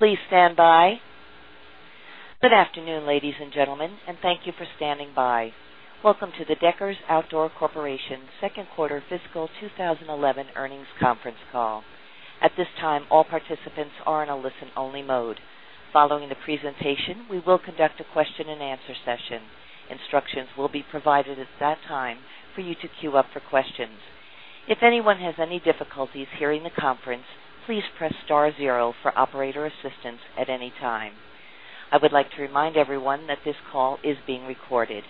Please stand by. Good afternoon, ladies and gentlemen, and thank you for standing by. Welcome to the Deckers Outdoor Corporation's Second Quarter Fiscal 2011 Earnings Conference Call. At this time, all participants are in a listen-only mode. Following the presentation, we will conduct a question and answer session. Instructions will be provided at that time for you to queue up for questions. If anyone has any difficulties hearing the conference, please press star zero for operator assistance at any time. I would like to remind everyone that this call is being recorded.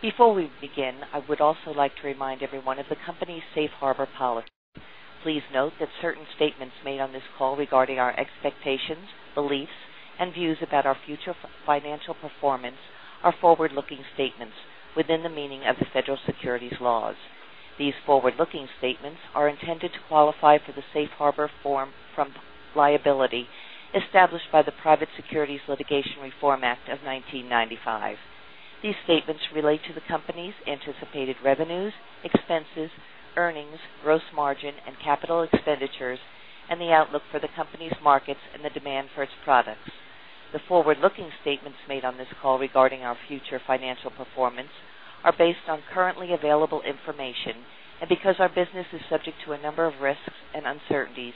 Before we begin, I would also like to remind everyone of the company's safe harbor policy. Please note that certain statements made on this call regarding our expectations, beliefs, and views about our future financial performance are forward-looking statements within the meaning of the Federal Securities Laws. These forward-looking statements are intended to qualify for the safe harbor from liability established by the Private Securities Litigation Reform Act of 1995. These statements relate to the company's anticipated revenues, expenses, earnings, gross margin, and capital expenditures, and the outlook for the company's markets and the demand for its products. The forward-looking statements made on this call regarding our future financial performance are based on currently available information, and because our business is subject to a number of risks and uncertainties,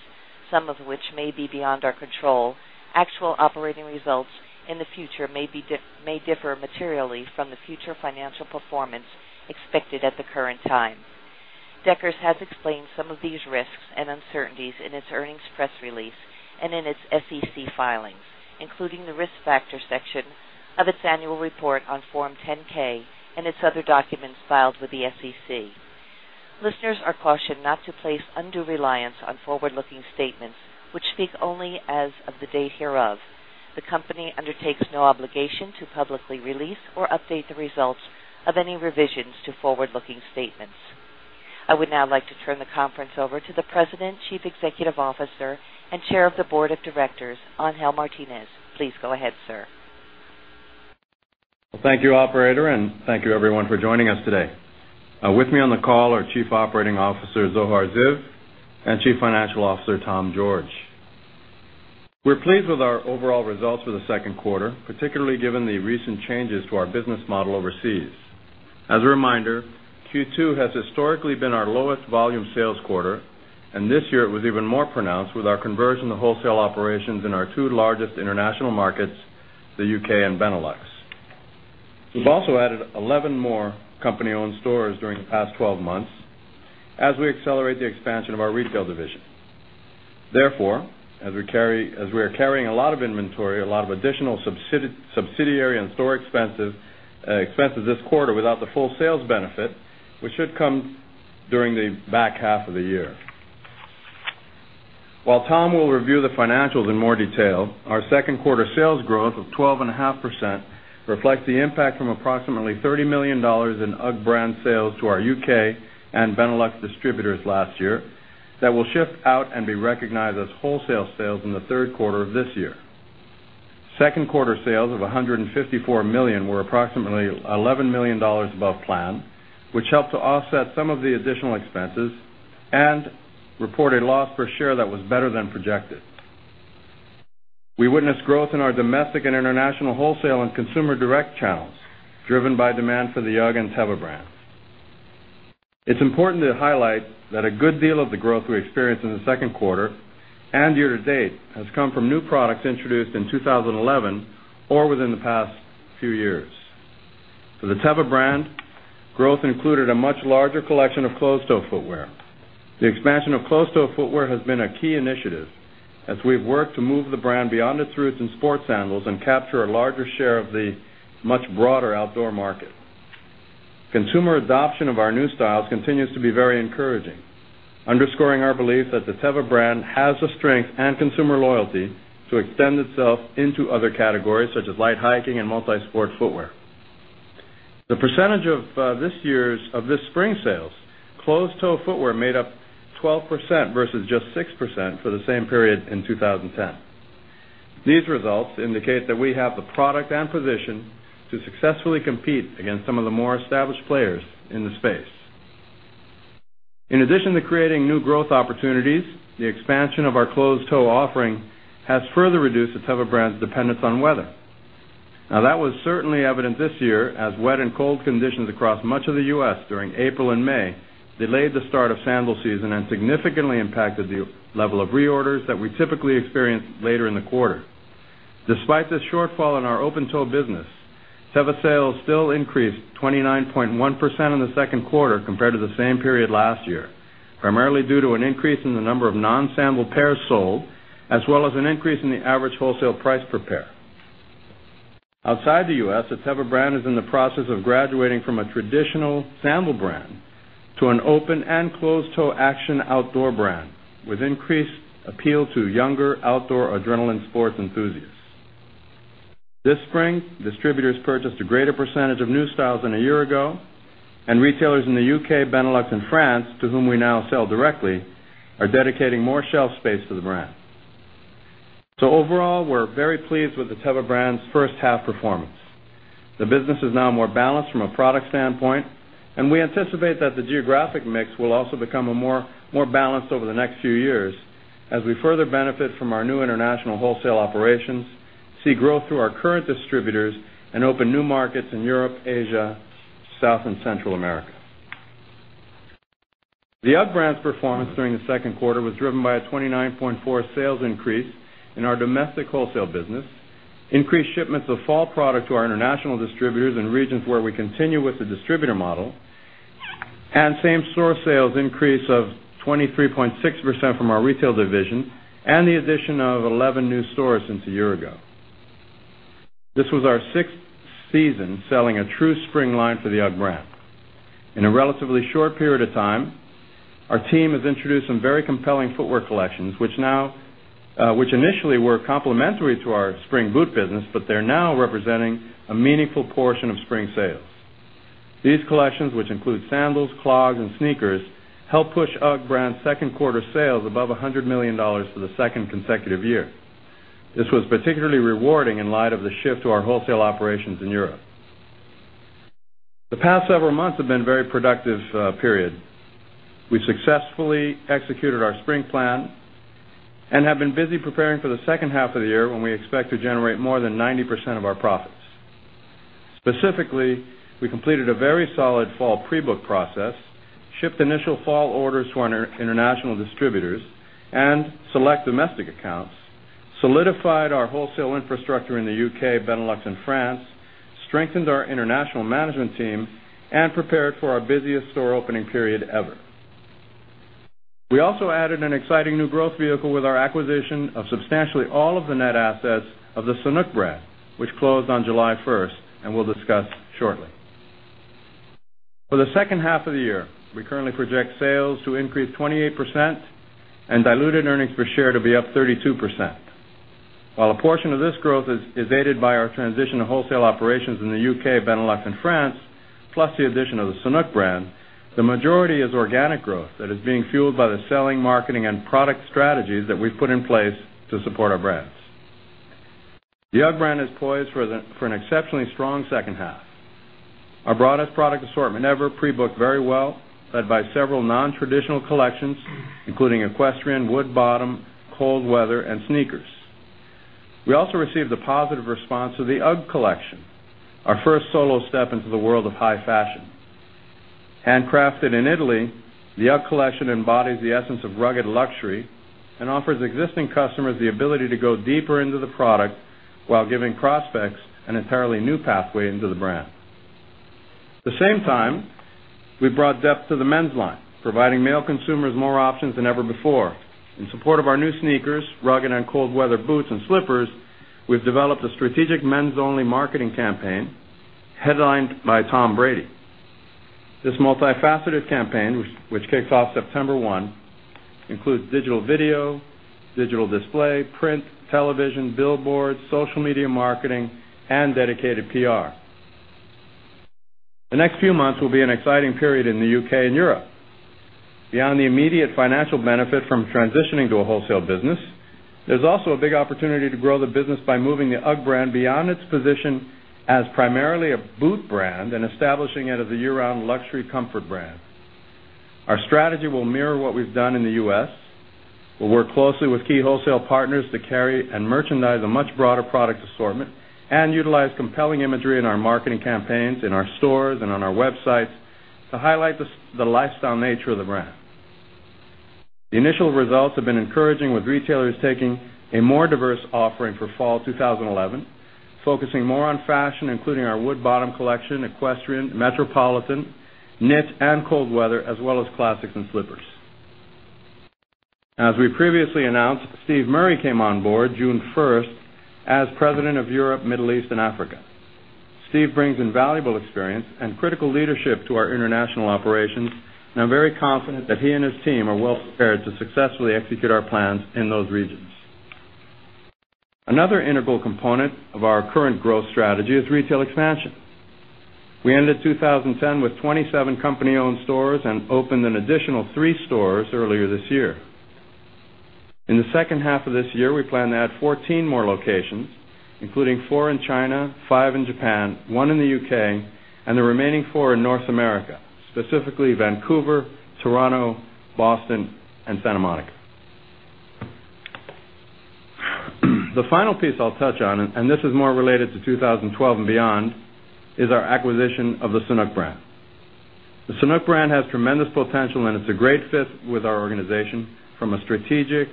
some of which may be beyond our control, actual operating results in the future may differ materially from the future financial performance expected at the current time. Deckers has explained some of these risks and uncertainties in its earnings press release and in its SEC filings, including the risk factor section of its annual report on Form 10-K and its other documents filed with the SEC. Listeners are cautioned not to place undue reliance on forward-looking statements, which speak only as of the date hereof. The company undertakes no obligation to publicly release or update the results of any revisions to forward-looking statements. I would now like to turn the conference over to the President, Chief Executive Officer, and Chair of the Board of Directors, Angel Martinez. Please go ahead, sir. Thank you, Operator, and thank you, everyone, for joining us today. With me on the call are Chief Operating Officer, Zohar Ziv, and Chief Financial Officer, Tom George. We're pleased with our overall results for the second quarter, particularly given the recent changes to our business model overseas. As a reminder, Q2 has historically been our lowest volume sales quarter, and this year it was even more pronounced with our conversion to wholesale operations in our two largest international markets, the U.K. and Benelux. We've also added 11 more company-owned stores during the past 12 months as we accelerate the expansion of our retail division. Therefore, we are carrying a lot of inventory, a lot of additional subsidiary and store expenses this quarter without the full sales benefit, which should come during the back half of the year. While Tom will review the financials in more detail, our second quarter sales growth of 12.5% reflects the impact from approximately $30 million in UGG brand sales to our U.K. and Benelux distributors last year that will shift out and be recognized as wholesale sales in the third quarter of this year. Second quarter sales of $154 million were approximately $11 million above plan, which helped to offset some of the additional expenses and report a loss per share that was better than projected. We witnessed growth in our domestic and international wholesale and consumer direct channels, driven by demand for the UGG and Teva brands. It's important to highlight that a good deal of the growth we experienced in the second quarter and year to date has come from new products introduced in 2011 or within the past few years. For the Teva brand, growth included a much larger collection of closed-toe footwear. The expansion of closed-toe footwear has been a key initiative as we've worked to move the brand beyond its roots in sports sandals and capture a larger share of the much broader outdoor market. Consumer adoption of our new styles continues to be very encouraging, underscoring our belief that the Teva brand has the strength and consumer loyalty to extend itself into other categories, such as light hiking and multi-sport footwear. The percentage of this year's spring sales closed-toe footwear made up 12% versus just 6% for the same period in 2010. These results indicate that we have the product and position to successfully compete against some of the more established players in the space. In addition to creating new growth opportunities, the expansion of our closed-toe offering has further reduced the Teva brand's dependence on weather. That was certainly evident this year as wet and cold conditions across much of the U.S. during April and May delayed the start of sandal season and significantly impacted the level of reorders that we typically experience later in the quarter. Despite this shortfall in our open-toe business, Teva sales still increased 29.1% in the second quarter compared to the same period last year, primarily due to an increase in the number of non-sandal pairs sold, as well as an increase in the average wholesale price per pair. Outside the U.S., the Teva brand is in the process of graduating from a traditional sandal brand to an open and closed-toe action outdoor brand with increased appeal to younger outdoor adrenaline sports enthusiasts. This spring, distributors purchased a greater percentage of new styles than a year ago, and retailers in the U.K., Benelux, and France, to whom we now sell directly, are dedicating more shelf space to the brand. Overall, we're very pleased with the Teva brand's first half performance. The business is now more balanced from a product standpoint, and we anticipate that the geographic mix will also become more balanced over the next few years as we further benefit from our new international wholesale operations, see growth through our current distributors, and open new markets in Europe, Asia, South, and Central America. The UGG brand's performance during the second quarter was driven by a 29.4% sales increase in our domestic wholesale business, increased shipments of fall product to our international distributors in regions where we continue with the distributor model, a same store sales increase of 23.6% from our retail division, and the addition of 11 new stores since a year ago. This was our sixth season selling a true spring line for the UGG brand. In a relatively short period of time, our team has introduced some very compelling footwear collections, which initially were complementary to our spring boot business, but they're now representing a meaningful portion of spring sales. These collections, which include sandals, clogs, and sneakers, help push UGG brand's second quarter sales above $100 million for the second consecutive year. This was particularly rewarding in light of the shift to our wholesale operations in Europe. The past several months have been a very productive period. We successfully executed our spring plan and have been busy preparing for the second half of the year when we expect to generate more than 90% of our profits. Specifically, we completed a very solid fall pre-book process, shipped initial fall orders to our international distributors and select domestic accounts, solidified our wholesale infrastructure in the U.K., Benelux, and France, strengthened our international management team, and prepared for our busiest store opening period ever. We also added an exciting new growth vehicle with our acquisition of substantially all of the net assets of the Sanuk brand, which closed on July 1 and we'll discuss shortly. For the second half of the year, we currently project sales to increase 28% and diluted earnings per share to be up 32%. While a portion of this growth is aided by our transition to wholesale operations in the U.K., Benelux, and France, plus the addition of the Sanuk brand, the majority is organic growth that is being fueled by the selling, marketing, and product strategies that we've put in place to support our brands. The UGG brand is poised for an exceptionally strong second half. Our broadest product assortment ever pre-booked very well, led by several non-traditional collections, including equestrian, wood bottom, cold weather, and sneakers. We also received a positive response to the UGG Collection, our first solo step into the world of high fashion. Handcrafted in Italy, the UGG Collection embodies the essence of rugged luxury and offers existing customers the ability to go deeper into the products while giving prospects an entirely new pathway into the brand. At the same time, we brought depth to the men's line, providing male consumers more options than ever before. In support of our new sneakers, rugged, and cold weather boots and slippers, we've developed a strategic men's-only marketing campaign headlined by Tom Brady. This multifaceted campaign, which kicks off September 1, includes digital video, digital display, print, television, billboards, social media marketing, and dedicated PR. The next few months will be an exciting period in the U.K. and Europe. Beyond the immediate financial benefit from transitioning to a wholesale business, there's also a big opportunity to grow the business by moving the UGG brand beyond its position as primarily a boot brand and establishing it as a year-round luxury comfort brand. Our strategy will mirror what we've done in the U.S. We'll work closely with key wholesale partners to carry and merchandise a much broader product assortment and utilize compelling imagery in our marketing campaigns, in our stores, and on our websites to highlight the lifestyle nature of the brand. The initial results have been encouraging, with retailers taking a more diverse offering for fall 2011, focusing more on fashion, including our wood bottom collection, equestrian, metropolitan, knit, and cold weather, as well as classics and slippers. As we previously announced, Steve Murray came on board June 1st as President of Europe, Middle East, and Africa. Steve brings invaluable experience and critical leadership to our international operations, and I'm very confident that he and his team are well prepared to successfully execute our plans in those regions. Another integral component of our current growth strategy is retail expansion. We ended 2010 with 27 company-owned stores and opened an additional three stores earlier this year. In the second half of this year, we plan to add 14 more locations, including four in China, five in Japan, one in the U.K., and the remaining four in North America, specifically Vancouver, Toronto, Boston, and Santa Monica. The final piece I'll touch on, and this is more related to 2012 and beyond, is our acquisition of the Sanuk brand. The Sanuk brand has tremendous potential, and it's a great fit with our organization from a strategic,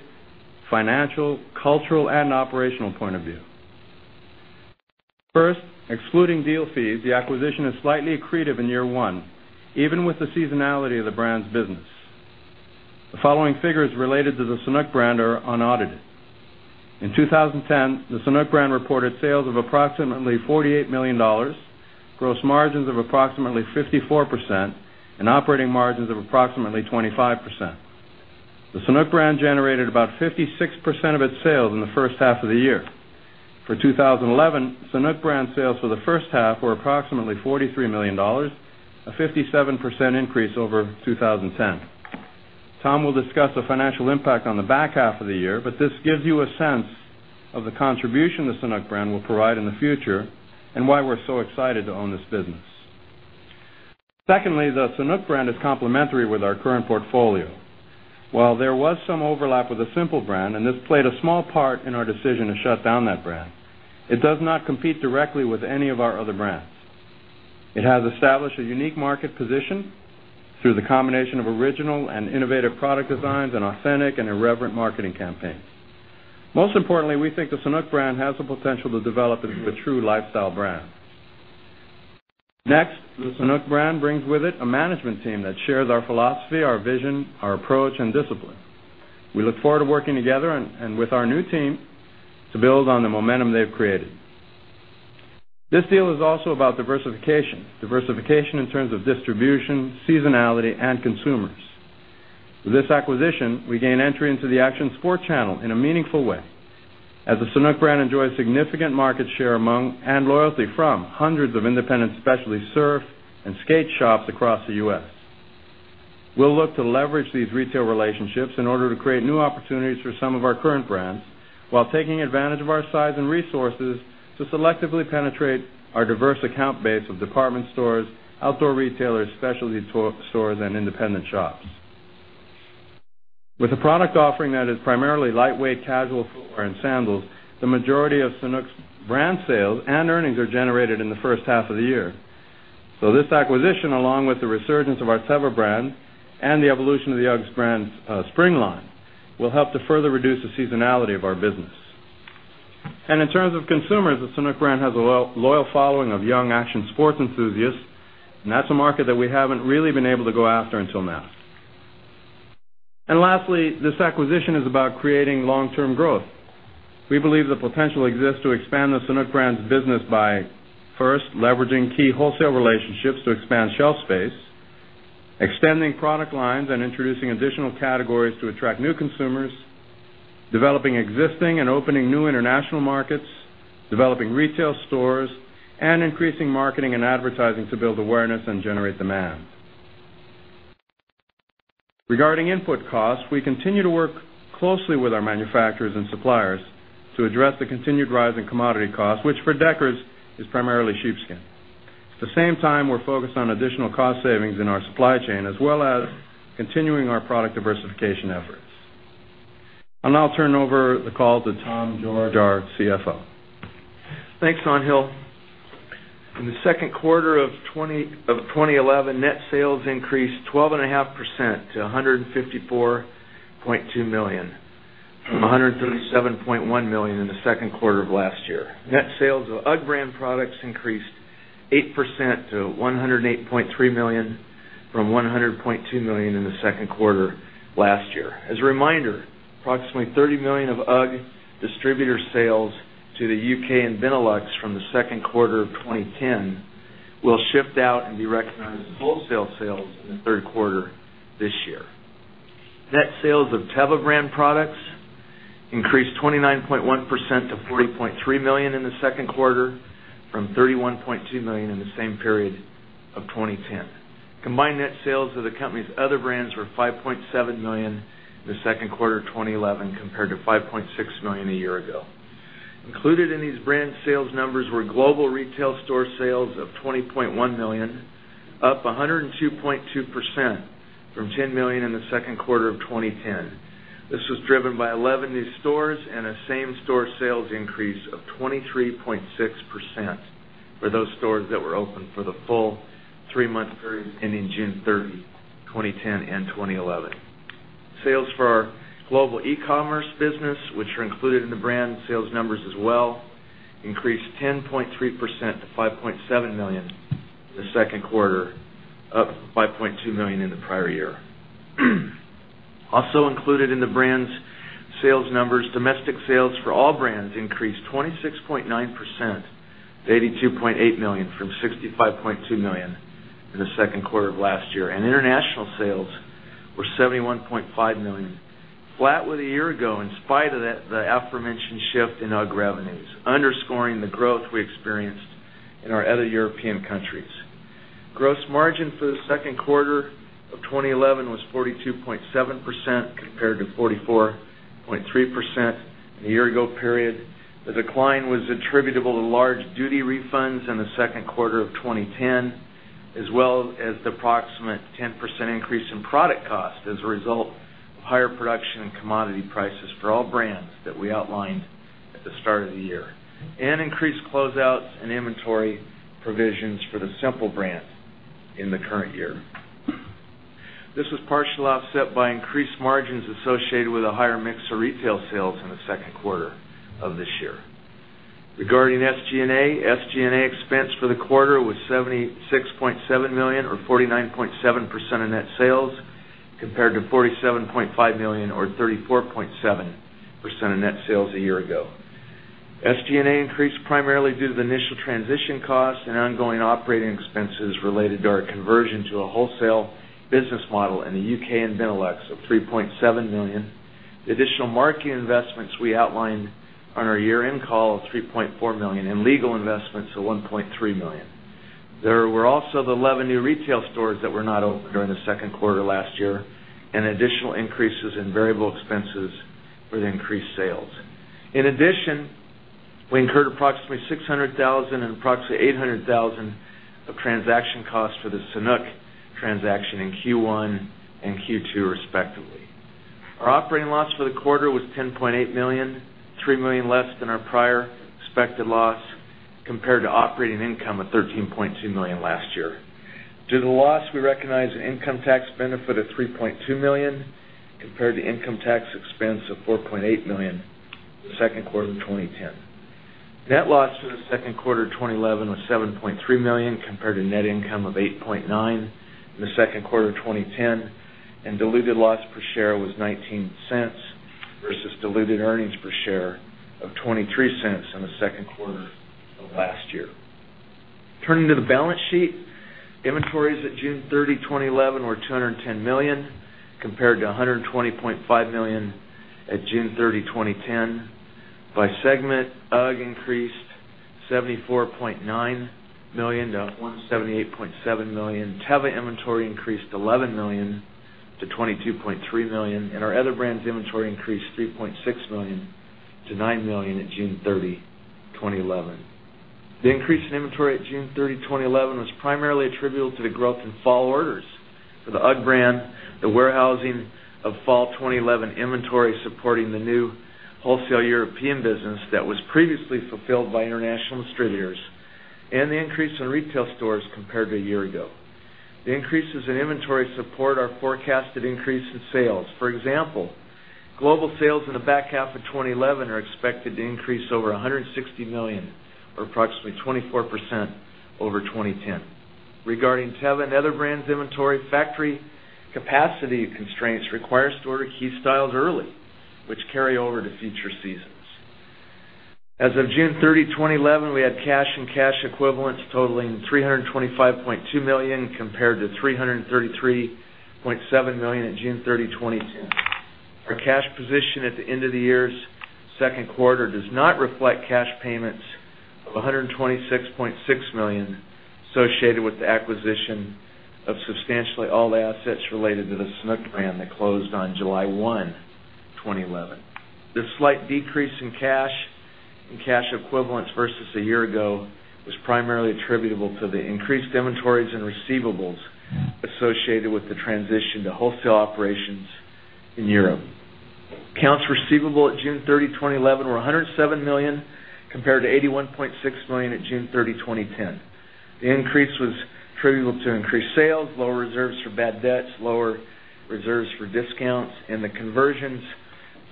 financial, cultural, and operational point of view. First, excluding deal fees, the acquisition is slightly accretive in year one, even with the seasonality of the brand's business. The following figures related to the Sanuk brand are unaudited. In 2010, the Sanuk brand reported sales of approximately $48 million, gross margins of approximately 54%, and operating margins of approximately 25%. The Sanuk brand generated about 56% of its sales in the first half of the year. For 2011, Sanuk brand sales for the first half were approximately $43 million, a 57% increase over 2010. Tom will discuss the financial impact on the back half of the year, but this gives you a sense of the contribution the Sanuk brand will provide in the future and why we're so excited to own this business. Secondly, the Sanuk brand is complementary with our current portfolio. While there was some overlap with the Simple brand, and this played a small part in our decision to shut down that brand, it does not compete directly with any of our other brands. It has established a unique market position through the combination of original and innovative product designs and authentic and irreverent marketing campaigns. Most importantly, we think the Sanuk brand has the potential to develop into a true lifestyle brand. Next, the Sanuk brand brings with it a management team that shares our philosophy, our vision, our approach, and discipline. We look forward to working together and with our new team to build on the momentum they've created. This deal is also about diversification, diversification in terms of distribution, seasonality, and consumers. With this acquisition, we gain entry into the action sport channel in a meaningful way, as the Sanuk brand enjoys significant market share among and loyalty from hundreds of independent specialty surf and skate shops across the U.S. We'll look to leverage these retail relationships in order to create new opportunities for some of our current brands while taking advantage of our size and resources to selectively penetrate our diverse account base of department stores, outdoor retailers, specialty stores, and independent shops. With a product offering that is primarily lightweight casual and sandals, the majority of Sanuk's brand sales and earnings are generated in the first half of the year. This acquisition, along with the resurgence of our Teva brand and the evolution of the UGG brand's spring line, will help to further reduce the seasonality of our business. In terms of consumers, the Sanuk brand has a loyal following of young action sports enthusiasts, and that's a market that we haven't really been able to go after until now. Lastly, this acquisition is about creating long-term growth. We believe the potential exists to expand the Sanuk brand's business by, first, leveraging key wholesale relationships to expand shelf space, extending product lines, and introducing additional categories to attract new consumers, developing existing and opening new international markets, developing retail stores, and increasing marketing and advertising to build awareness and generate demand. Regarding input costs, we continue to work closely with our manufacturers and suppliers to address the continued rise in commodity costs, which for Deckers is primarily sheepskin. At the same time, we're focused on additional cost savings in our supply chain as well as continuing our product diversification efforts. I'll turn over the call to Tom George, our CFO. Thanks, Angel. In the second quarter of 2011, net sales increased 12.5% to $154.2 million, $137.1 million in the second quarter of last year. Net sales of UGG brand products increased 8% to $108.3 million from $100.2 million in the second quarter last year. As a reminder, approximately $30 million of UGG distributor sales to the U.K. and Benelux from the second quarter of 2010 will shift out and be recognized as wholesale sales in the third quarter this year. Net sales of Teva brand products increased 29.1% to $40.3 million in the second quarter from $31.2 million in the same period of 2010. Combined net sales of the company's other brands were $5.7 million in the second quarter of 2011 compared to $5.6 million a year ago. Included in these brand sales numbers were global retail store sales of $20.1 million, up 102.2% from $10 million in the second quarter of 2010. This was driven by 11 new stores and a same-store sales increase of 23.6% for those stores that were open for the full three-month period ending June 30, 2010, and 2011. Sales for our global e-commerce business, which are included in the brand sales numbers as well, increased 10.3% to $5.7 million in the second quarter, up to $5.2 million in the prior year. Also included in the brand's sales numbers, domestic sales for all brands increased 26.9% to $82.8 million from $65.2 million in the second quarter of last year, and international sales were $71.5 million, flat with a year ago in spite of the aforementioned shift in UGG revenues, underscoring the growth we experienced in our other European countries. Gross margin for the second quarter of 2011 was 42.7% compared to 44.3% in a year-ago period. The decline was attributable to large duty refunds in the second quarter of 2010, as well as the approximate 10% increase in product cost as a result of higher production and commodity prices for all brands that we outlined at the start of the year, and increased closeouts and inventory provisions for the Simple brand in the current year. This was partially offset by increased margins associated with a higher mix of retail sales in the second quarter of this year. Regarding SG&A, SG&A expense for the quarter was $76.7 million or 49.7% of net sales compared to $47.5 million or 34.7% of net sales a year ago. SG&A increased primarily due to the initial transition cost and ongoing operating expenses related to our conversion to a wholesale business model in the U.K. and Benelux of $3.7 million. The additional marketing investments we outlined on our year-end call of $3.4 million and legal investments of $1.3 million. There were also the 11 new retail stores that were not open during the second quarter last year and additional increases in variable expenses for the increased sales. In addition, we incurred approximately $600,000 and approximately $800,000 of transaction costs for the Sanuk transaction in Q1 and Q2, respectively. Our operating loss for the quarter was $10.8 million, $3 million less than our prior expected loss compared to operating income of $13.2 million last year. Due to the loss, we recognized an income tax benefit of $3.2 million compared to income tax expense of $4.8 million in the second quarter of 2010. Net loss for the second quarter of 2011 was $7.3 million compared to net income of $8.9 million in the second quarter of 2010, and diluted loss per share was $0.19 versus diluted earnings per share of $0.23 in the second quarter of last year. Turning to the balance sheet, inventories at June 30, 2011, were $210 million compared to $120.5 million at June 30, 2010. By segment, UGG increased $74.9 million to $178.7 million, Teva inventory increased $11 million to $22.3 million, and our other brands' inventory increased $3.6 million to $9 million at June 30, 2011. The increase in inventory at June 30, 2011, was primarily attributable to the growth in fall orders for the UGG brand, the warehousing of fall 2011 inventory supporting the new wholesale European business that was previously fulfilled by international distributors, and the increase in retail stores compared to a year ago. The increases in inventory support our forecasted increase in sales. For example, global sales in the back half of 2011 are expected to increase over $160 million or approximately 24% over 2010. Regarding Teva and other brands' inventory, factory capacity constraints require us to order key styles early, which carry over to future seasons. As of June 30, 2011, we had cash and cash equivalents totaling $325.2 million compared to $333.7 million at June 30, 2010. Our cash position at the end of the year's second quarter does not reflect cash payments of $126.6 million associated with the acquisition of substantially all the assets related to the Sanuk brand that closed on July 1, 2011. This slight decrease in cash and cash equivalents versus a year ago was primarily attributable to the increased inventories and receivables associated with the transition to wholesale operations in Europe. Accounts receivable at June 30, 2011, were $107 million compared to $81.6 million at June 30, 2010. The increase was attributable to increased sales, lower reserves for bad debts, lower reserves for discounts, and the conversions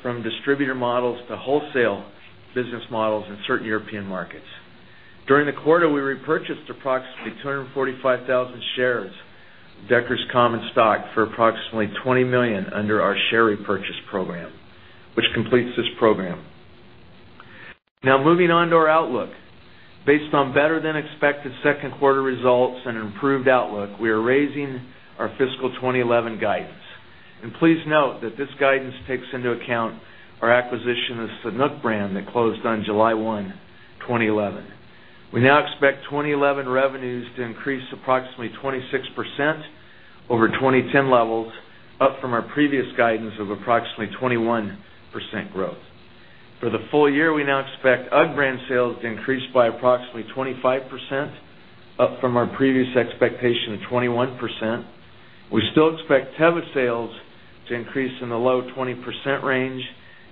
from distributor models to wholesale business models in certain European markets. During the quarter, we repurchased approximately 245,000 shares of Deckers common stock for approximately $20 million under our share repurchase program, which completes this program. Now, moving on to our outlook. Based on better-than-expected second quarter results and an improved outlook, we are raising our fiscal 2011 guidance. Please note that this guidance takes into account our acquisition of the Sanuk brand that closed on July 1, 2011. We now expect 2011 revenues to increase approximately 26% over 2010 levels, up from our previous guidance of approximately 21% growth. For the full year, we now expect UGG brand sales to increase by approximately 25%, up from our previous expectation of 21%. We still expect Teva sales to increase in the low 20% range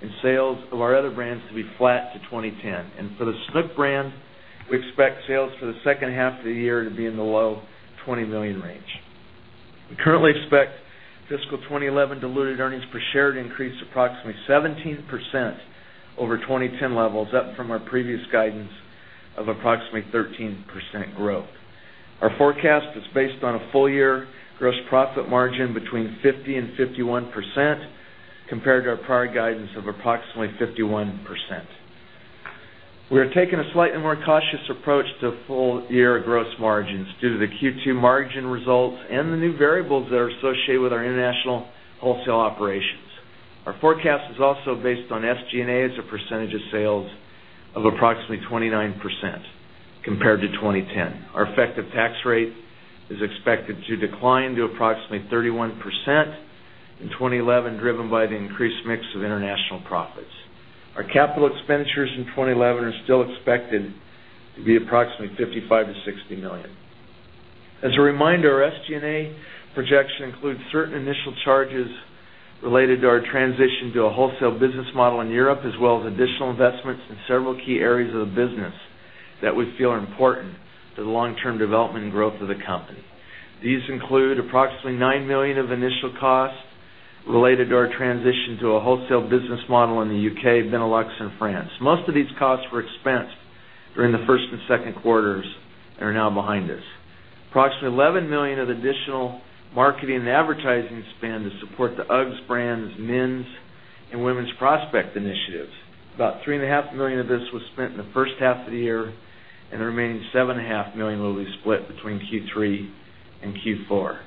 and sales of our other brands to be flat to 2010. For the Sanuk brand, we expect sales for the second half of the year to be in the low $20 million range. We currently expect fiscal 2011 diluted EPS to increase approximately 17% over 2010 levels, up from our previous guidance of approximately 13% growth. Our forecast is based on a full-year gross profit margin between 50% and 51% compared to our prior guidance of approximately 51%. We are taking a slightly more cautious approach to full-year gross margins due to the Q2 margin results and the new variables that are associated with our international wholesale operations. Our forecast is also based on SG&A as a percentage of sales of approximately 29% compared to 2010. Our effective tax rate is expected to decline to approximately 31% in 2011, driven by the increased mix of international profits. Our capital expenditures in 2011 are still expected to be approximately $55 million-$60 million. As a reminder, our SG&A projection includes certain initial charges related to our transition to a wholesale business model in Europe, as well as additional investments in several key areas of the business that we feel are important to the long-term development and growth of the company. These include approximately $9 million of initial costs related to our transition to a wholesale business model in the U.K., Benelux, and France. Most of these costs were expensed during the first and second quarters and are now behind us. Approximately $11 million of additional marketing and advertising spend to support the UGG brand's men's and women's prospect initiatives. About $3.5 million of this was spent in the first half of the year, and the remaining $7.5 million will be split between Q3 and Q4.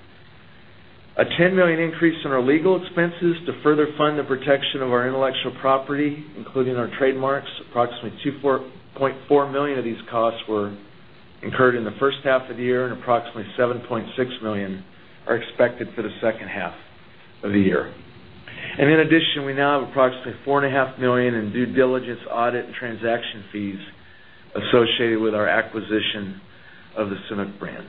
A $10 million increase in our legal expenses to further fund the protection of our intellectual property, including our trademarks. Approximately $2.4 million of these costs were incurred in the first half of the year, and approximately $7.6 million are expected for the second half of the year. In addition, we now have approximately $4.5 million in due diligence, audit, and transaction fees associated with our acquisition of the Sanuk brand.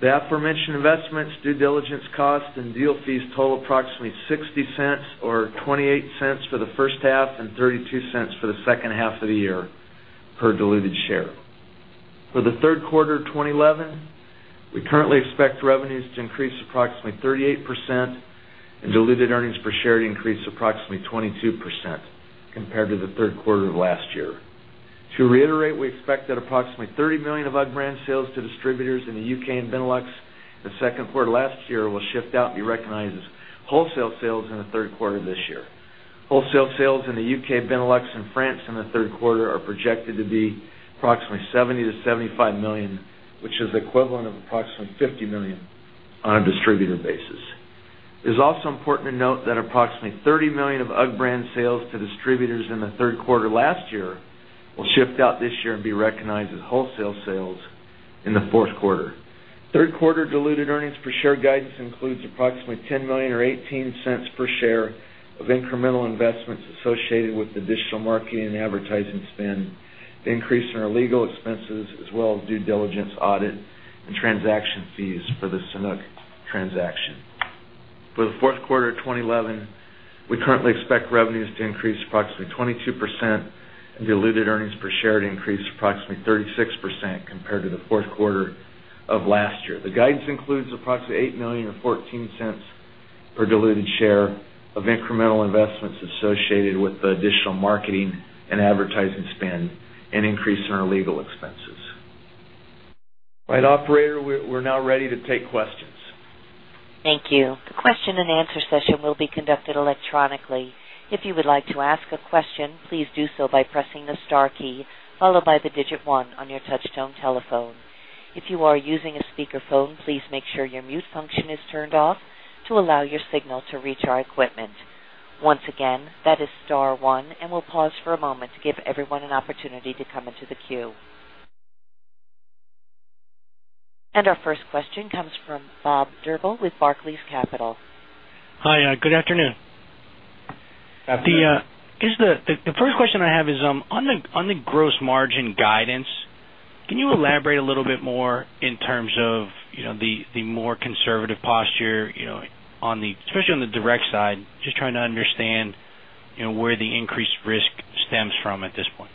The aforementioned investments, due diligence costs, and deal fees total approximately $0.60 or $0.28 for the first half and $0.32 for the second half of the year per diluted share. For the third quarter of 2011, we currently expect revenues to increase approximately 38% and diluted earnings per share to increase approximately 22% compared to the third quarter of last year. To reiterate, we expect that approximately $30 million of UGG brand sales to distributors in the U.K. and Benelux in the second quarter of last year will shift out and be recognized as wholesale sales in the third quarter of this year. Wholesale sales in the U.K., Benelux, and France in the third quarter are projected to be approximately $70 million-$75 million, which is the equivalent of approximately $50 million on a distributor basis. It is also important to note that approximately $30 million of UGG brand sales to distributors in the third quarter of last year will shift out this year and be recognized as wholesale sales in the fourth quarter. Third quarter diluted earnings per share guidance includes approximately $10 million or $0.18 per share of incremental investments associated with additional marketing and advertising spend, the increase in our legal expenses, as well as due diligence, audit, and transaction fees for the Sanuk transaction. For the fourth quarter of 2011, we currently expect revenues to increase approximately 22% and diluted earnings per share to increase approximately 36% compared to the fourth quarter of last year. The guidance includes approximately $8 million or $0.14 per diluted share of incremental investments associated with the additional marketing and advertising spend and increase in our legal expenses. All right, Operator, we're now ready to take questions. Thank you. The question and answer session will be conducted electronically. If you would like to ask a question, please do so by pressing the star key followed by the digit one on your touch-tone telephone. If you are using a speakerphone, please make sure your mute function is turned off to allow your signal to reach our equipment. Once again, that is star one. We'll pause for a moment to give everyone an opportunity to come into the queue. Our first question comes from Bob Drbul with Barclays Capital. Hi, good afternoon. The first question I have is on the gross margin guidance. Can you elaborate a little bit more in terms of the more conservative posture, especially on the direct side? Just trying to understand where the increased risk stems from at this point.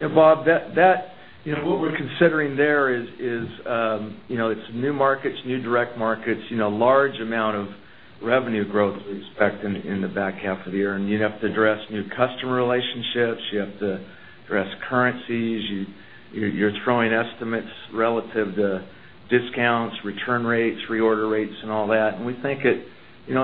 Yeah, Bob, what we're considering there is, you know, it's new markets, new direct markets, a large amount of revenue growth we expect in the back half of the year. You have to address new customer relationships. You have to address currencies. You're throwing estimates relative to discounts, return rates, reorder rates, and all that. We think, at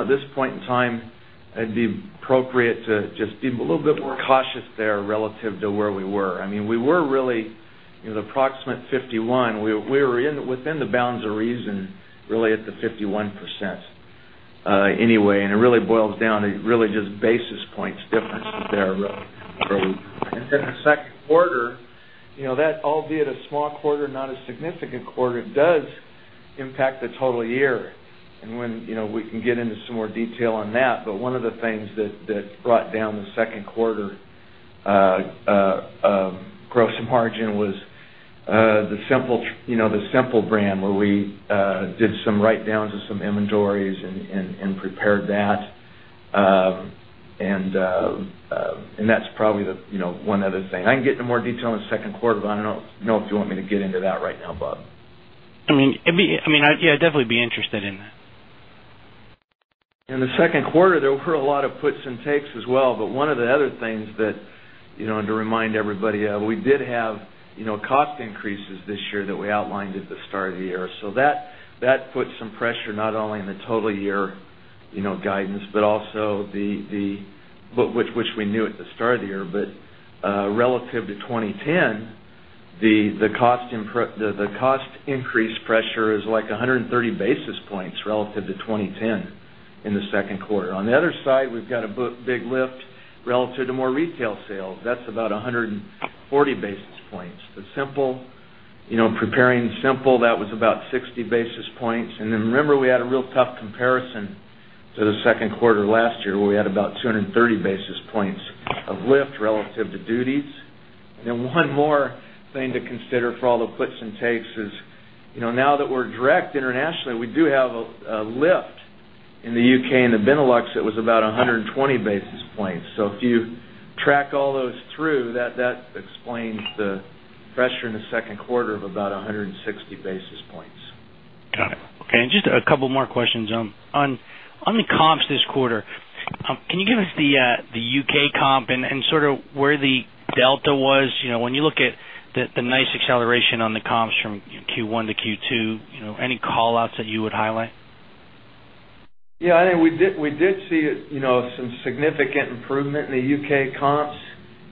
this point in time, it'd be appropriate to just be a little bit cautious there relative to where we were. I mean, we were really, the approximate 51%. We were within the bounds of reason, really, at the 51% anyway. It really boils down to just basis points differences there. The second quarter, albeit a small quarter, not a significant quarter, does impact the total year. We can get into some more detail on that. One of the things that brought down the second quarter gross margin was the Simple brand, where we did some write-downs of some inventories and prepared that. That's probably the one other thing. I can get into more detail on the second quarter, but I don't know if you want me to get into that right now, Bob. Yeah, I'd definitely be interested in that. In the second quarter, there were a lot of puts and takes as well. One of the other things to remind everybody of, we did have cost increases this year that we outlined at the start of the year. That puts some pressure not only in the total year guidance, but also, which we knew at the start of the year. Relative to 2010, the cost increase pressure is like 130 basis points relative to 2010 in the second quarter. On the other side, we've got a big lift relative to more retail sales. That's about 140 basis points. The Simple, preparing Simple, that was about 60 basis points. Remember, we had a real tough comparison to the second quarter last year, where we had about 230 basis points of lift relative to duties. One more thing to consider for all the puts and takes is, now that we're direct internationally, we do have a lift in the U.K. and the Benelux that was about 120 basis points. If you track all those through, that explains the pressure in the second quarter of about 160 basis points. Got it. Okay. Just a couple more questions. On the comps this quarter, can you give us the U.K. comp and sort of where the delta was? When you look at the nice acceleration on the comps from Q1 to Q2, any callouts that you would highlight? Yeah, I think we did see some significant improvement in the U.K. comps.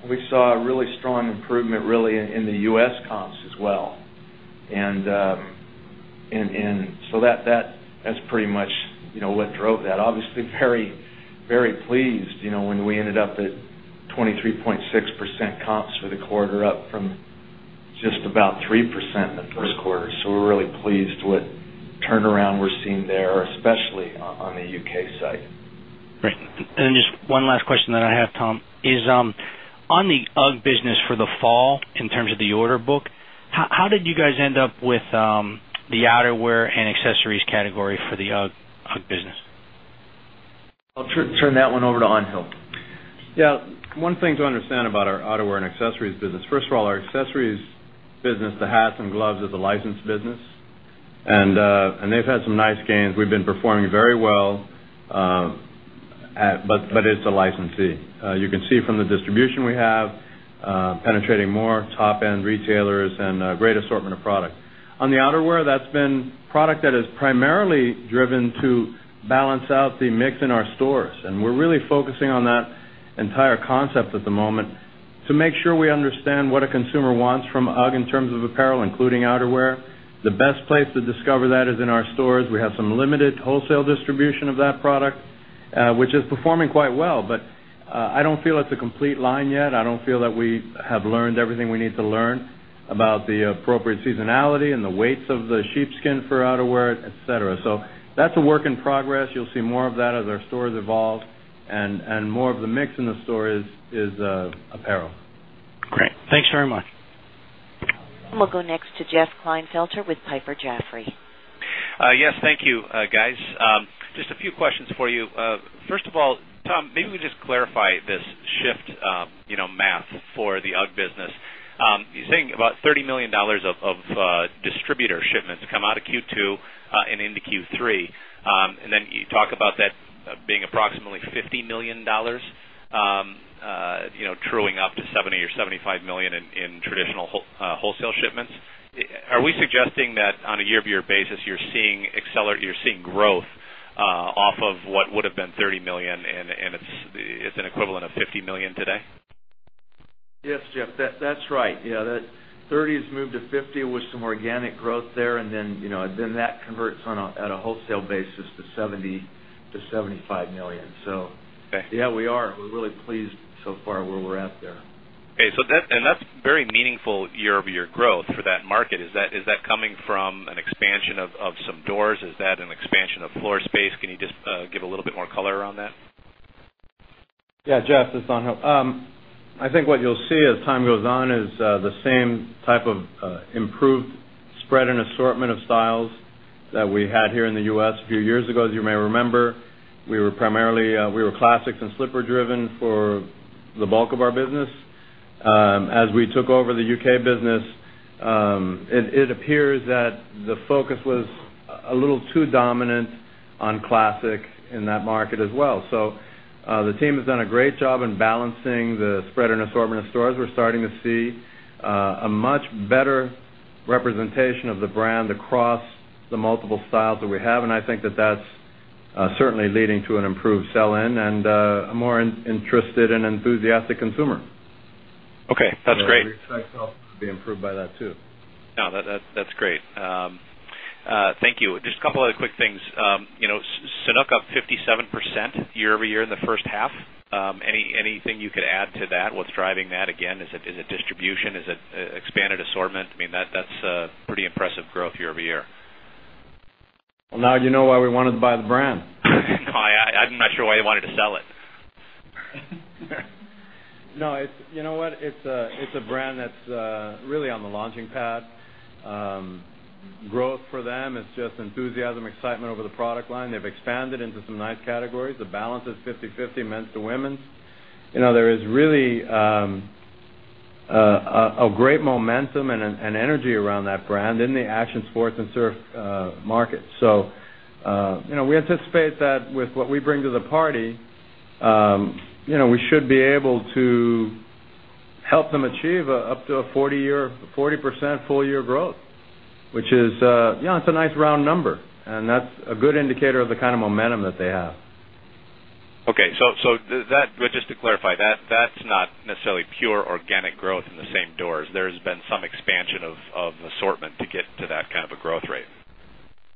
We saw a really strong improvement in the U.S. comps as well. That's pretty much what drove that. Obviously, very, very pleased when we ended up at 23.6% comps for the quarter, up from just about 3% in the first quarter. We're really pleased with the turnaround we're seeing there, especially on the U.K. side. Great. Just one last question that I have, Tom, is on the UGG business for the fall in terms of the order book. How did you guys end up with the outerwear and accessories category for the UGG business? I'll turn that one over to Angel. Yeah, one thing to understand about our outerwear and accessories business. First of all, our accessories business, the hats and gloves, is a licensed business. They've had some nice gains. We've been performing very well, but it's a licensee. You can see from the distribution we have penetrating more top-end retailers and a great assortment of product. On the outerwear, that's been product that is primarily driven to balance out the mix in our stores. We're really focusing on that entire concept at the moment to make sure we understand what a consumer wants from UGG in terms of apparel, including outerwear. The best place to discover that is in our stores. We have some limited wholesale distribution of that product, which is performing quite well. I don't feel it's a complete line yet. I don't feel that we have learned everything we need to learn about the appropriate seasonality and the weights of the sheepskin for outerwear, etc. That's a work in progress. You'll see more of that as our stores evolve and more of the mix in the store is apparel. Great, thanks very much. We will go next to Jeff Klinefelter with Piper Jaffray. Yes, thank you, guys. Just a few questions for you. First of all, Tom, maybe we could just clarify this shift, you know, math for the UGG business. You're saying about $30 million of distributor shipments come out of Q2 and into Q3. Then you talk about that being approximately $50 million, you know, truing up to $70 million or $75 million in traditional wholesale shipments. Are we suggesting that on a year-over-year basis you're seeing growth off of what would have been $30 million and it's an equivalent of $50 million today? Yes, Jeff, that's right. Yeah, that $30 million has moved to $50 million with some organic growth there. You know, that converts at a wholesale basis to $70 million-$75 million. We are really pleased so far where we're at there. Okay, that's very meaningful year-over-year growth for that market. Is that coming from an expansion of some doors? Is that an expansion of floor space? Can you just give a little bit more color around that? Yeah, Jeff, this is Angel. I think what you'll see as time goes on is the same type of improved spread and assortment of styles that we had here in the U.S. a few years ago. As you may remember, we were primarily classics and slipper-driven for the bulk of our business. As we took over the U.K. business, it appears that the focus was a little too dominant on classic in that market as well. The team has done a great job in balancing the spread and assortment of stores. We're starting to see a much better representation of the brand across the multiple styles that we have. I think that that's certainly leading to an improved sell-in and a more interested and enthusiastic consumer. Okay, that's great. We expect sales to be improved by that too. No, that's great. Thank you. Just a couple of other quick things. Sanuk up 57% year-over-year in the first half. Anything you could add to that? What's driving that again? Is it distribution? Is it expanded assortment? I mean, that's pretty impressive growth year-over-year. You know why we wanted to buy the brand. No, I'm not sure why they wanted to sell it. No, you know what? It's a brand that's really on the launching pad. Growth for them is just enthusiasm, excitement over the product line. They've expanded into some nice categories. The balance is 50/50 men's to women's. There is really a great momentum and energy around that brand in the action sports and surf markets. We anticipate that with what we bring to the party, we should be able to help them achieve up to a 40% full-year growth, which is, yeah, it's a nice round number. That's a good indicator of the kind of momentum that they have. Okay, so that, just to clarify, that's not necessarily pure organic growth in the same doors. There's been some expansion of assortment to get to that kind of a growth rate.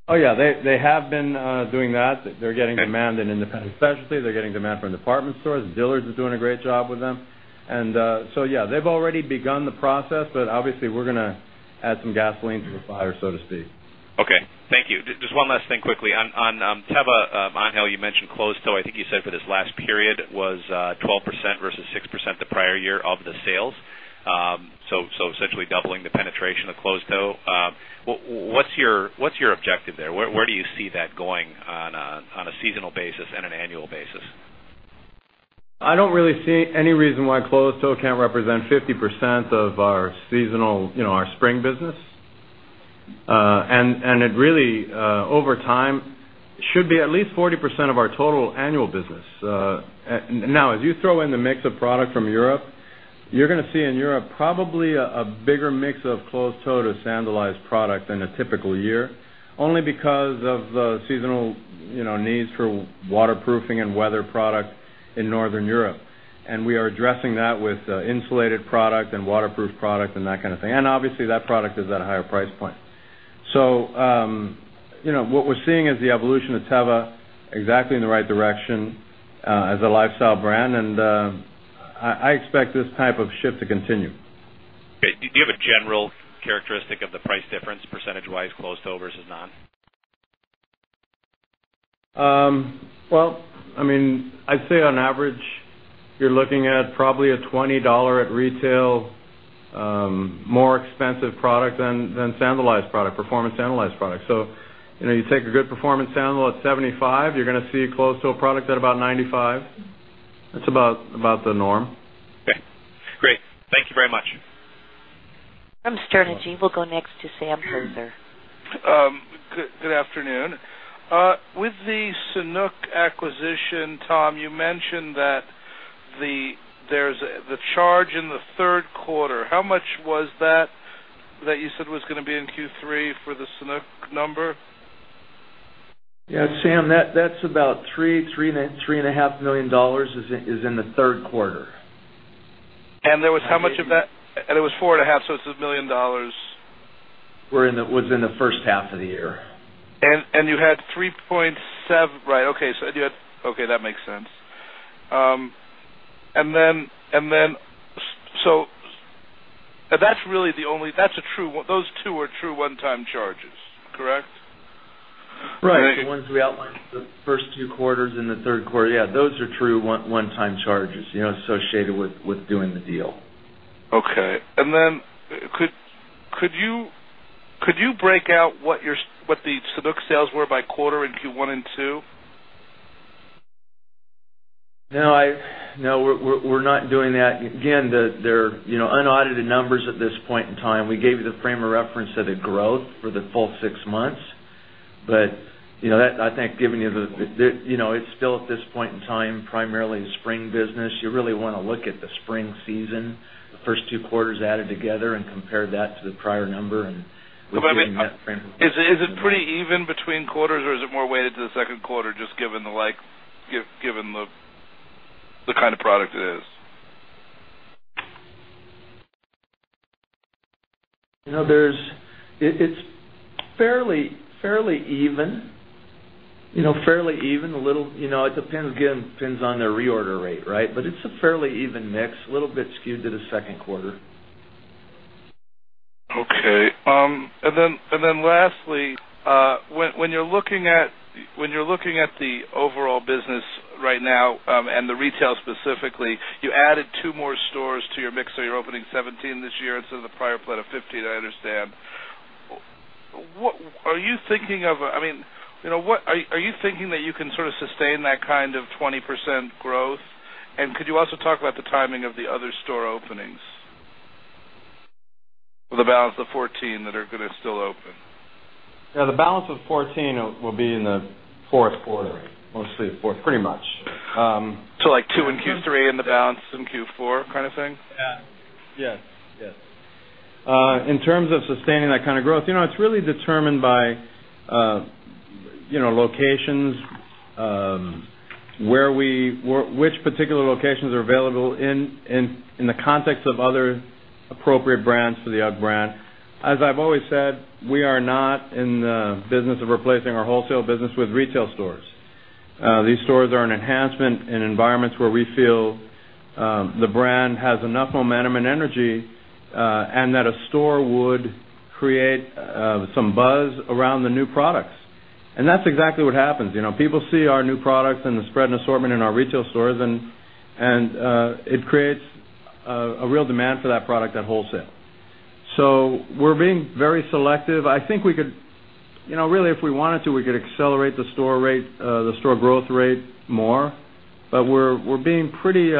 Oh, yeah, they have been doing that. They're getting demand in independent specialty. They're getting demand from department stores. Dealers is doing a great job with them. Yeah, they've already begun the process, but obviously, we're going to add some gasoline to the fire, so to speak. Okay, thank you. Just one last thing quickly. On Teva, you mentioned closed-toe. I think you said for this last period was 12% versus 6% the prior year of the sales. So essentially doubling the penetration of closed-toe. What's your objective there? Where do you see that going on a seasonal basis and an annual basis? I don't really see any reason why closed-toe can't represent 50% of our seasonal, you know, our spring business. It really, over time, should be at least 40% of our total annual business. Now, as you throw in the mix of product from Europe, you're going to see in Europe probably a bigger mix of closed-toe to sandalized product than a typical year, only because of the seasonal, you know, needs for waterproofing and weather products in Northern Europe. We are addressing that with insulated product and waterproof product and that kind of thing. Obviously, that product is at a higher price point. What we're seeing is the evolution of Teva exactly in the right direction as a lifestyle brand. I expect this type of shift to continue. Okay. Do you have a general characteristic of the price difference percentage-wise closed-toe versus non? I'd say on average, you're looking at probably a $20 at retail, more expensive product than sandalized product, performance sandalized product. You take a good performance sandal at $75, you're going to see a closed-toe product at about $95. That's about the norm. Okay, great. Thank you very much. From Sterne Agee, we'll go next to Sam Poser. Good afternoon. With the Sanuk acquisition, Tom, you mentioned that there's the charge in the third quarter. How much was that that you said was going to be in Q3 for the Sanuk number? Yeah, Sam, that's about $3 million, $3.5 million is in the third quarter. How much of that was there? It was $4.5 million, so $1 million. Was in the first half of the year. You had $3.7, million right? Okay, you had, okay, that makes sense. That is really the only, that is a true, those two are true one-time charges, correct? Right, the ones we outlined for the first two quarters and the third quarter, yeah, those are true one-time charges, you know, associated with doing the deal. Okay. Could you break out what your, what the Sanuk sales were by quarter in Q1 and Q2? No, we're not doing that. Again, they're unaudited numbers at this point in time. We gave you the frame of reference of the growth for the full six months. I think giving you the, you know, it's still at this point in time primarily a spring business. You really want to look at the spring season, the first two quarters added together and compare that to the prior number. Is it pretty even between quarters, or is it more weighted to the second quarter just given the, like, given the kind of product it is? It's fairly even, you know, fairly even. A little, you know, it depends, again, depends on the reorder rate, right? It's a fairly even mix, a little bit skewed to the second quarter. Okay. When you're looking at the overall business right now and the retail specifically, you added two more stores to your mix. You're opening 17 this year instead of the prior plan of 15, I understand. Are you thinking that you can sort of sustain that kind of 20% growth? Could you also talk about the timing of the other store openings, the balance of the 14 that are going to still open? Yeah, the balance of 14 will be in the fourth quarter, mostly the fourth, pretty much. Like two in Q3 and the balance in Q4 kind of thing? Yes, yes. In terms of sustaining that kind of growth, it's really determined by locations, which particular locations are available in the context of other appropriate brands for the UGG brand. As I've always said, we are not in the business of replacing our wholesale business with retail stores. These stores are an enhancement in environments where we feel the brand has enough momentum and energy and that a store would create some buzz around the new products. That's exactly what happens. People see our new products and the spread and assortment in our retail stores, and it creates a real demand for that product at wholesale. We're being very selective. I think we could, if we wanted to, accelerate the store growth rate more. We're being pretty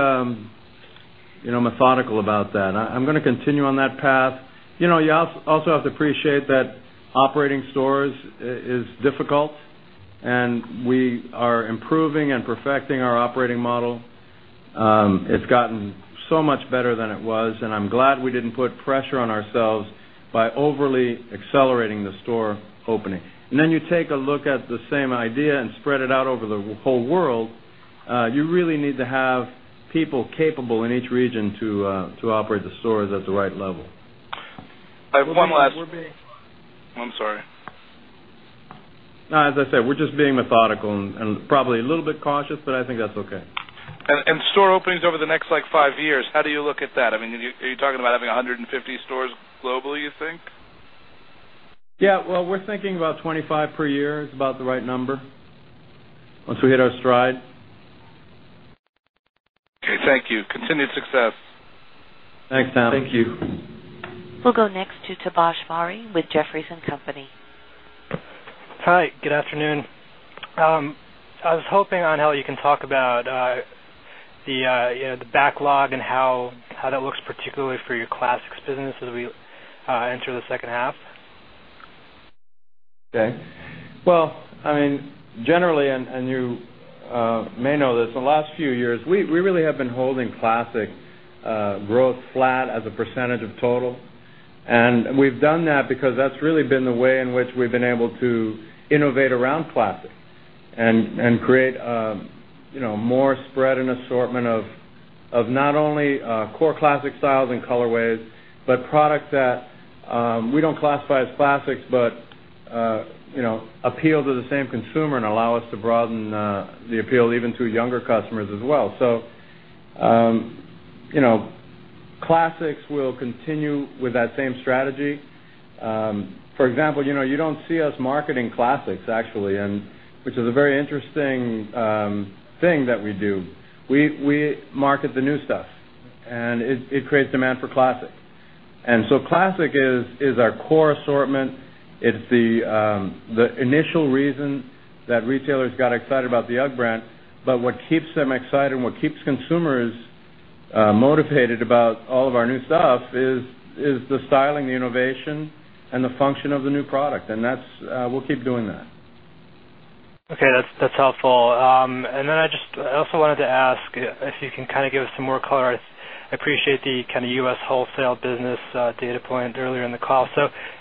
methodical about that. I'm going to continue on that path. You also have to appreciate that operating stores is difficult. We are improving and perfecting our operating model. It's gotten so much better than it was. I'm glad we didn't put pressure on ourselves by overly accelerating the store opening. You take a look at the same idea and spread it out over the whole world. You really need to have people capable in each region to operate the stores at the right level. One last. I'm sorry. No, as I said, we're just being methodical and probably a little bit cautious, but I think that's okay. Store openings over the next like five years, how do you look at that? I mean, are you talking about having 150 stores globally, you think? Yeah, we're thinking about 25 per year is about the right number once we hit our stride. Okay, thank you. Continued success. Thanks, Sam. Thank you. We'll go next to Tobash Vari with Jefferies and Company. Hi, good afternoon. I was hoping, Angel, you can talk about the backlog and how that looks particularly for your classics business as we enter the second half. Okay. Generally, and you may know this, in the last few years, we really have been holding classic growth flat as a percentage of total. We've done that because that's really been the way in which we've been able to innovate around classic and create more spread and assortment of not only core classic styles and colorways, but products that we don't classify as classics, but appeal to the same consumer and allow us to broaden the appeal even to younger customers as well. Classics will continue with that same strategy. For example, you don't see us marketing classics, actually, which is a very interesting thing that we do. We market the new stuff, and it creates demand for classic. Classic is our core assortment. It's the initial reason that retailers got excited about the UGG brand. What keeps them excited and what keeps consumers motivated about all of our new stuff is the styling, the innovation, and the function of the new product. We'll keep doing that. Okay, that's helpful. I just also wanted to ask if you can kind of give us some more color. I appreciate the kind of U.S. wholesale business data point earlier in the call.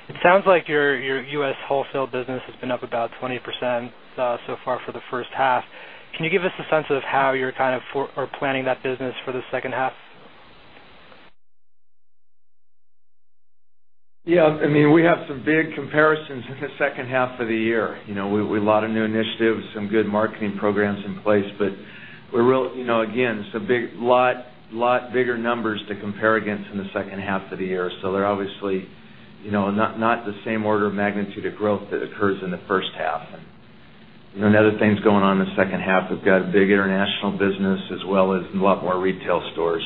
It sounds like your U.S. wholesale business has been up about 20% so far for the first half. Can you give us a sense of how you're kind of planning that business for the second half? Yeah, I mean, we have some big comparisons in the second half of the year. We have a lot of new initiatives, some good marketing programs in place, but we're really, you know, again, it's a lot bigger numbers to compare against in the second half of the year. They're obviously not the same order of magnitude of growth that occurs in the first half. Another thing that's going on in the second half, we've got a big international business as well as a lot more retail stores.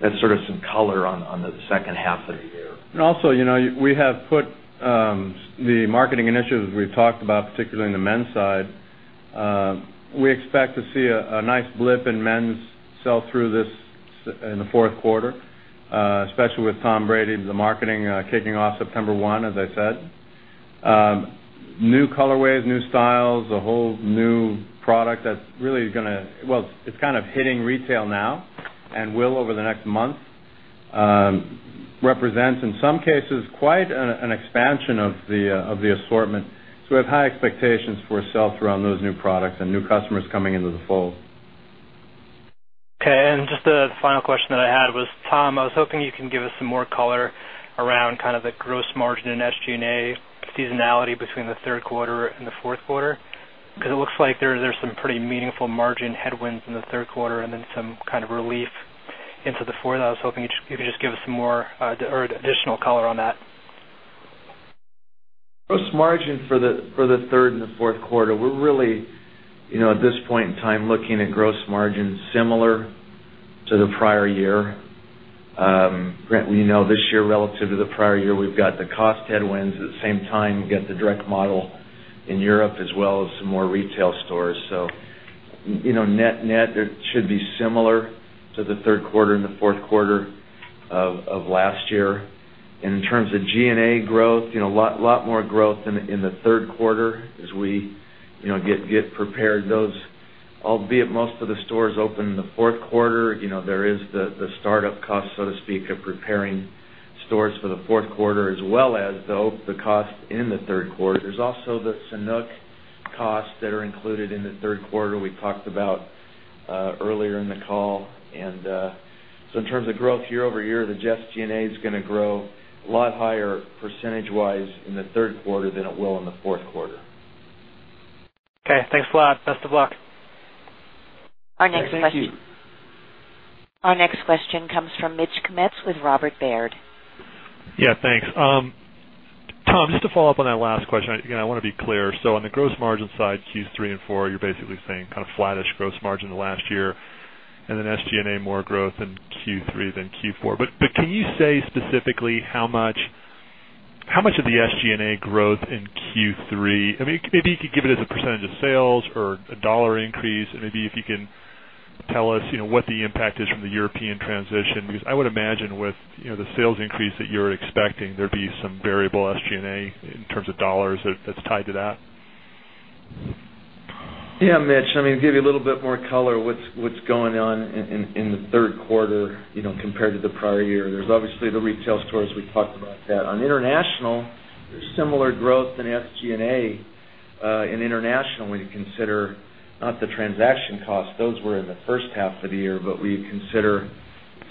That's sort of some color on the second half of the year. We have put the marketing initiatives we've talked about, particularly in the men's side. We expect to see a nice blip in men's sell-through in the fourth quarter, especially with Tom Brady, the marketing kicking off September 1, as I said. New colorways, new styles, a whole new product that's really going to, it's kind of hitting retail now and will over the next month represent, in some cases, quite an expansion of the assortment. We have high expectations for sell-through on those new products and new customers coming into the fold. Okay, and just the final question that I had was, Tom, I was hoping you can give us some more color around kind of the gross margin and SG&A seasonality between the third quarter and the fourth quarter, because it looks like there's some pretty meaningful margin headwinds in the third quarter and then some kind of relief into the fourth. I was hoping you could just give us some more or additional color on that. Gross margin for the third and the fourth quarter, we're really, at this point in time, looking at gross margin similar to the prior year. This year, relative to the prior year, we've got the cost headwinds. At the same time, we've got the direct model in Europe as well as some more retail stores. Net-net, it should be similar to the third quarter and the fourth quarter of last year. In terms of G&A growth, a lot more growth in the third quarter as we get prepared. Albeit most of the stores open in the fourth quarter. There is the startup cost, so to speak, of preparing stores for the fourth quarter as well as the cost in the third quarter. There's also the Sanuk costs that are included in the third quarter we talked about earlier in the call. In terms of growth year-over-year, the SG&A is going to grow a lot higher percentage-wise in the third quarter than it will in the fourth quarter. Okay, thanks a lot. Best of luck. Our next question comes from Mitch Kummetz with Robert Baird. Yeah, thanks. Tom, just to follow up on that last question, I want to be clear. On the gross margin side, Q3 and Q4, you're basically saying kind of flattish gross margin in the last year, and then SG&A more growth in Q3 than Q4. Can you say specifically how much of the SG&A growth in Q3? Maybe you could give it as a percentage of sales or a dollar increase. If you can tell us what the impact is from the European transition, I would imagine with the sales increase that you're expecting, there'd be some variable SG&A in terms of dollars that's tied to that. Yeah, Mitch, I mean, to give you a little bit more color, what's going on in the third quarter, you know, compared to the prior year, there's obviously the retail stores, we talked about that. On international, there's similar growth in SG&A. In international, when you consider not the transaction costs, those were in the first half of the year, but when you consider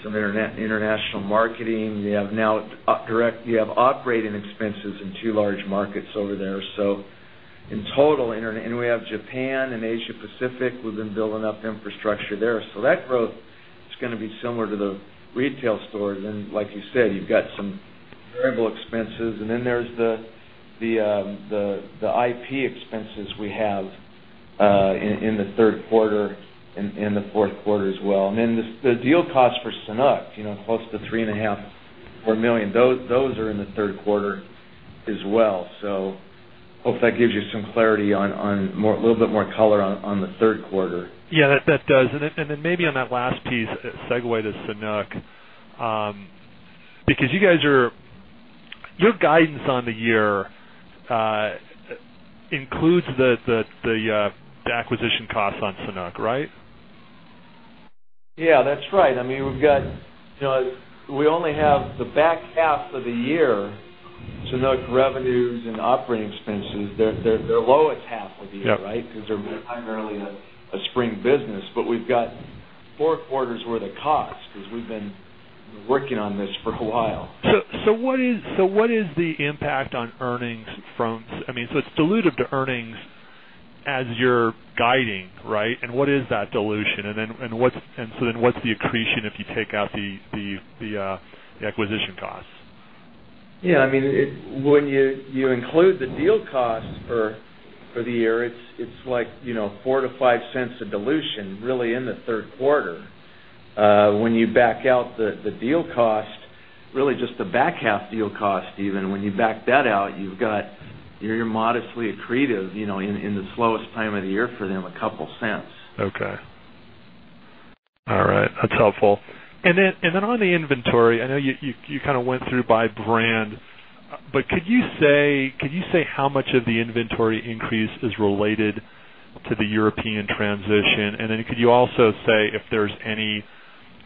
some international marketing, you have now direct, you have operating expenses in two large markets over there. In total, we have Japan and Asia Pacific, we've been building up infrastructure there. That growth is going to be similar to the retail stores. Like you said, you've got some variable expenses. Then there's the IP expenses we have in the third quarter and in the fourth quarter as well. The deal costs for Sanuk, you know, close to $3.5 million, $4 million, those are in the third quarter as well. Hope that gives you some clarity on a little bit more color on the third quarter. Yeah, that does. Maybe on that last piece, segue to Sanuk, because you guys are, your guidance on the year includes the acquisition costs on Sanuk, right? Yeah, that's right. I mean, we've got, you know, we only have the back half of the year Sanuk revenues and operating expenses, their lowest half of the year, right? Because they're primarily a spring business. We've got four quarters where the cost, because we've been working on this for a while. What is the impact on earnings from, I mean, it's diluted to earnings as you're guiding, right? What is that dilution? What's the accretion if you take out the acquisition costs? Yeah, I mean, when you include the deal costs for the year, it's like, you know, $0.04-$0.05 of dilution really in the third quarter. When you back out the deal cost, really just the back half deal cost, even when you back that out, you're modestly accretive, you know, in the slowest time of the year for them, a couple cents. Okay. All right, that's helpful. On the inventory, I know you kind of went through by brand, but could you say how much of the inventory increase is related to the European transition? Could you also say if there's any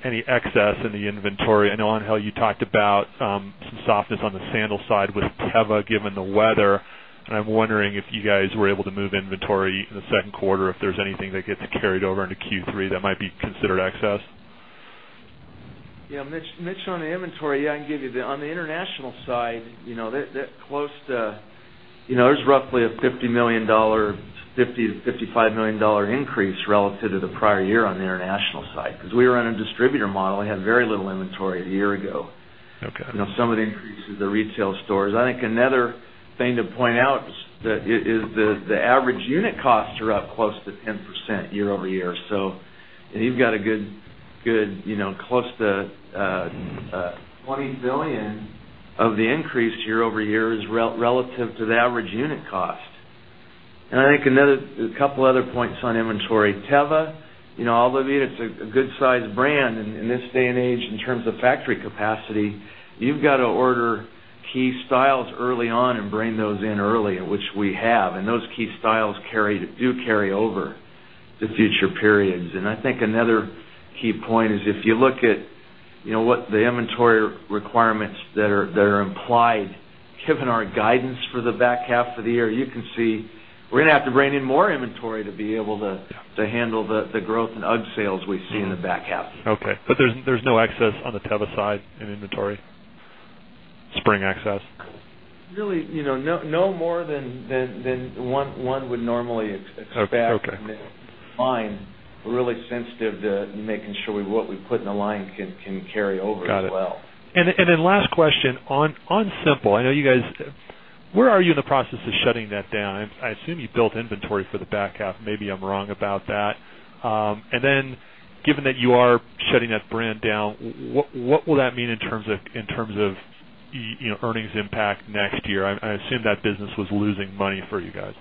excess in the inventory? I know you talked about some softness on the sandal side with Teva given the weather. I'm wondering if you guys were able to move inventory in the second quarter, if there's anything that gets carried over into Q3 that might be considered excess? Yeah, Mitch, on the inventory, I can give you the, on the international side, there's roughly a $50 million, $50 million-$55 million increase relative to the prior year on the international side. Because we were on a distributor model, we had very little inventory a year ago. Okay. Now, some of the increases in the retail stores, I think another thing to point out is that the average unit costs are up close to 10% year-over-year. You've got a good, good, you know, close to $20 billion of the increase year over year relative to the average unit cost. I think another couple other points on inventory, Teva, you know, although it's a good size brand in this day and age in terms of factory capacity, you've got to order key styles early on and bring those in early, which we have. Those key styles do carry over the future periods. I think another key point is if you look at, you know, what the inventory requirements that are implied, given our guidance for the back half of the year, you can see we're going to have to bring in more inventory to be able to handle the growth in UGG sales we see in the back half. Okay, there's no excess on the Teva side in inventory, spring excess? Really, no more than one would normally expect. The line we're really sensitive to making sure what we put in the line can carry over as well. On Simple, I know you guys, where are you in the process of shutting that down? I assume you built inventory for the back half. Maybe I'm wrong about that. Given that you are shutting that brand down, what will that mean in terms of, you know, earnings impact next year? I assume that business was losing money for you guys.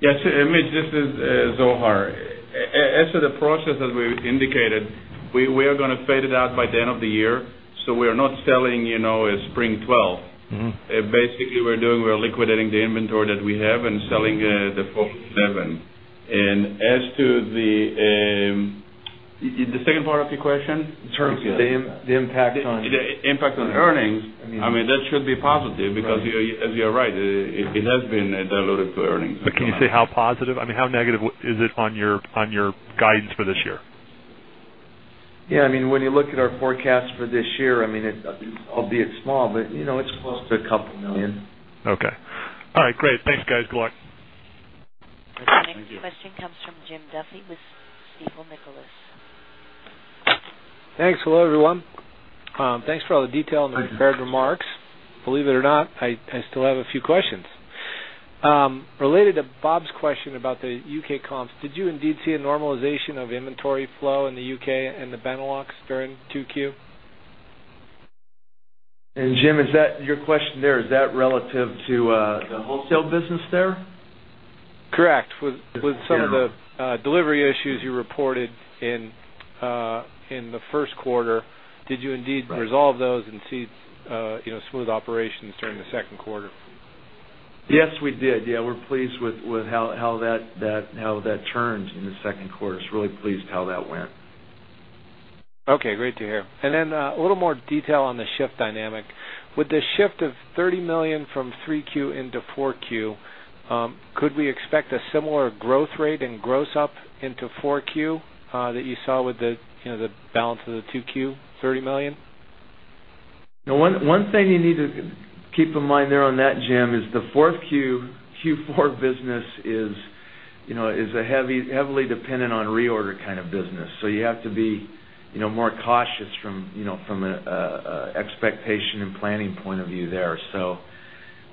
Yes, I mean, this is Zohar. As to the process that we indicated, we are going to fade it out by the end of the year. We are not selling, you know, a spring 2012. Basically, we're liquidating the inventory that we have and selling the full 2011. As to the second part of your question, the impact on earnings, that should be positive because, as you're right, it has been downloaded to earnings. Can you say how positive? I mean, how negative is it on your guidance for this year? Yeah, when you look at our forecast for this year, albeit small, it's close to a couple million. Okay. All right, great. Thanks, guys. Good luck. Our next question comes from Jim Duffy with Stifel, Nicolaus. Thanks. Hello, everyone. Thanks for all the detail and the bold remarks. Believe it or not, I still have a few questions. Related to Bob's question about the U.K. comps, did you indeed see a normalization of inventory flow in the U.K. and the Benelux during 2Q? Jim, is that your question? Is that relative to the wholesale business there? Correct. With some of the delivery issues you reported in the first quarter, did you indeed resolve those and see smooth operations during the second quarter? Yes, we did. Yeah, we're pleased with how that turned in the second quarter. I was really pleased how that went. Okay, great to hear. A little more detail on the shift dynamic. With the shift of $30 million from 3Q into 4Q, could we expect a similar growth rate and gross up into 4Q that you saw with the balance of the 2Q $30 million? No, one thing you need to keep in mind there on that, Jim, is the Q4 business is heavily dependent on reorder kind of business. You have to be more cautious from an expectation and planning point of view there.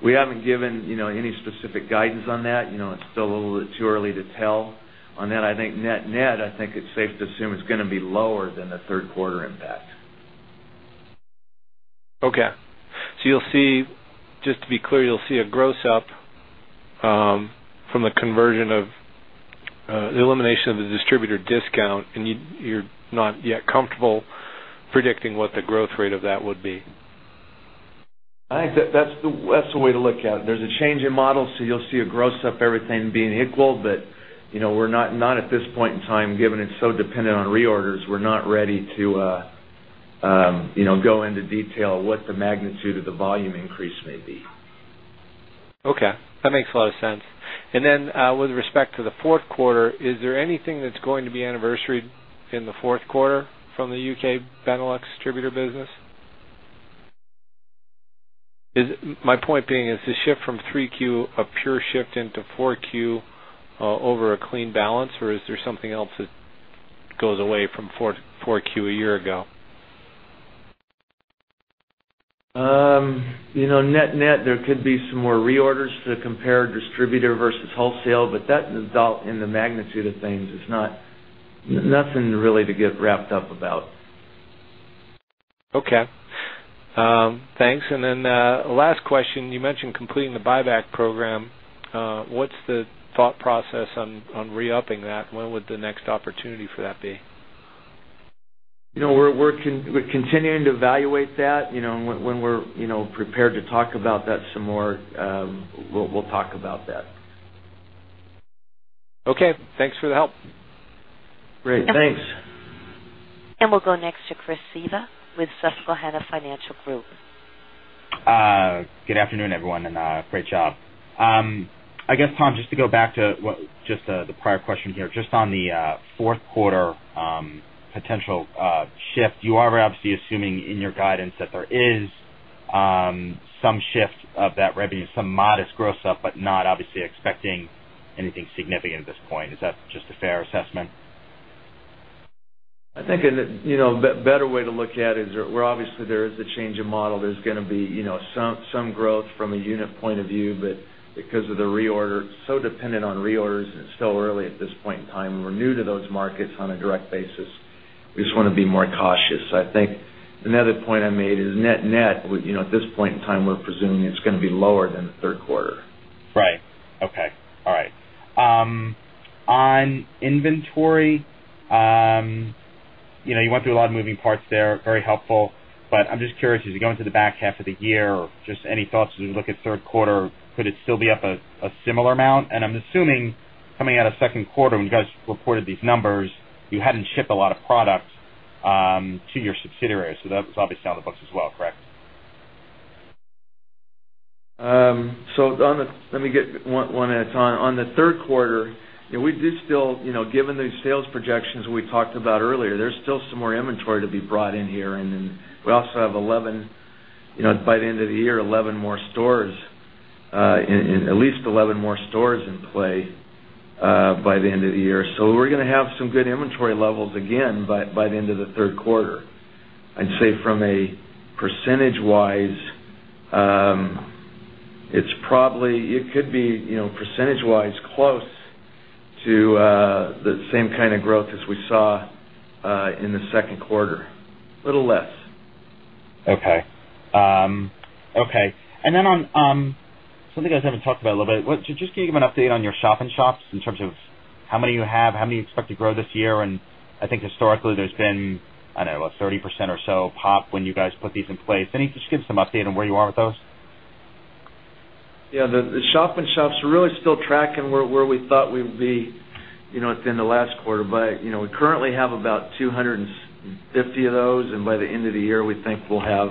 We haven't given any specific guidance on that. It's still a little bit too early to tell on that. I think net net, I think it's safe to assume it's going to be lower than the third quarter impact. Okay, you'll see, just to be clear, you'll see a gross up from the conversion of the elimination of the distributor discount, and you're not yet comfortable predicting what the growth rate of that would be? I think that's the way to look at it. There's a change in model, so you'll see a gross up, everything being equal. We're not, at this point in time, given it's so dependent on reorders, ready to go into detail of what the magnitude of the volume increase may be. Okay. That makes a lot of sense. With respect to the fourth quarter, is there anything that's going to be anniversary in the fourth quarter from the U.K., Benelux distributor business? My point being, is the shift from 3Q a pure shift into 4Q over a clean balance, or is there something else that goes away from 4Q a year ago? You know, net-net, there could be some more reorders to compare distributor versus wholesale, but that in the magnitude of things is not, nothing really to get wrapped up about. Okay. Thanks. You mentioned completing the buyback program. What's the thought process on re-upping that? When would the next opportunity for that be? We're continuing to evaluate that. When we're prepared to talk about that some more, we'll talk about that. Okay, thanks for the help. Great. Thanks. We will go next to Chris Svezia with Susquehanna Financial Group. Good afternoon, everyone, and great job. I guess, Tom, just to go back to the prior question here, just on the fourth quarter potential shift, you are obviously assuming in your guidance that there is some shift of that revenue, some modest gross up, but not obviously expecting anything significant at this point. Is that just a fair assessment? I think a better way to look at it is where obviously there is a change in model. There is going to be, you know, some growth from a unit point of view, but because of the reorder, so dependent on reorders, and it's still early at this point in time, and we're new to those markets on a direct basis, we just want to be more cautious. I think another point I made is net net, you know, at this point in time, we're presuming it's going to be lower than the third quarter. Right. Okay. All right. On inventory, you went through a lot of moving parts there, very helpful. I'm just curious, as you go into the back half of the year, or just any thoughts as you look at third quarter, could it still be up a similar amount? I'm assuming coming out of second quarter, when you guys reported these numbers, you hadn't shipped a lot of product to your subsidiaries. That was obviously on the books as well, correct? Let me get one at a time. On the third quarter, we do still, given the sales projections we talked about earlier, there's still some more inventory to be brought in here. We also have 11, by the end of the year, at least 11 more stores in play by the end of the year. We're going to have some good inventory levels again by the end of the third quarter. I'd say from a percentage-wise, it's probably, it could be, percentage-wise close to the same kind of growth as we saw in the second quarter, a little less. Okay. Can you give an update on your shopping shops in terms of how many you have, how many you expect to grow this year? I think historically, there's been, I don't know, about 30% or so pop when you guys put these in place. Anything you can just give us an update on where you are with those? Yeah, the shopping shops are really still tracking where we thought we'd be at the end of the last quarter. We currently have about 250 of those, and by the end of the year, we think we'll have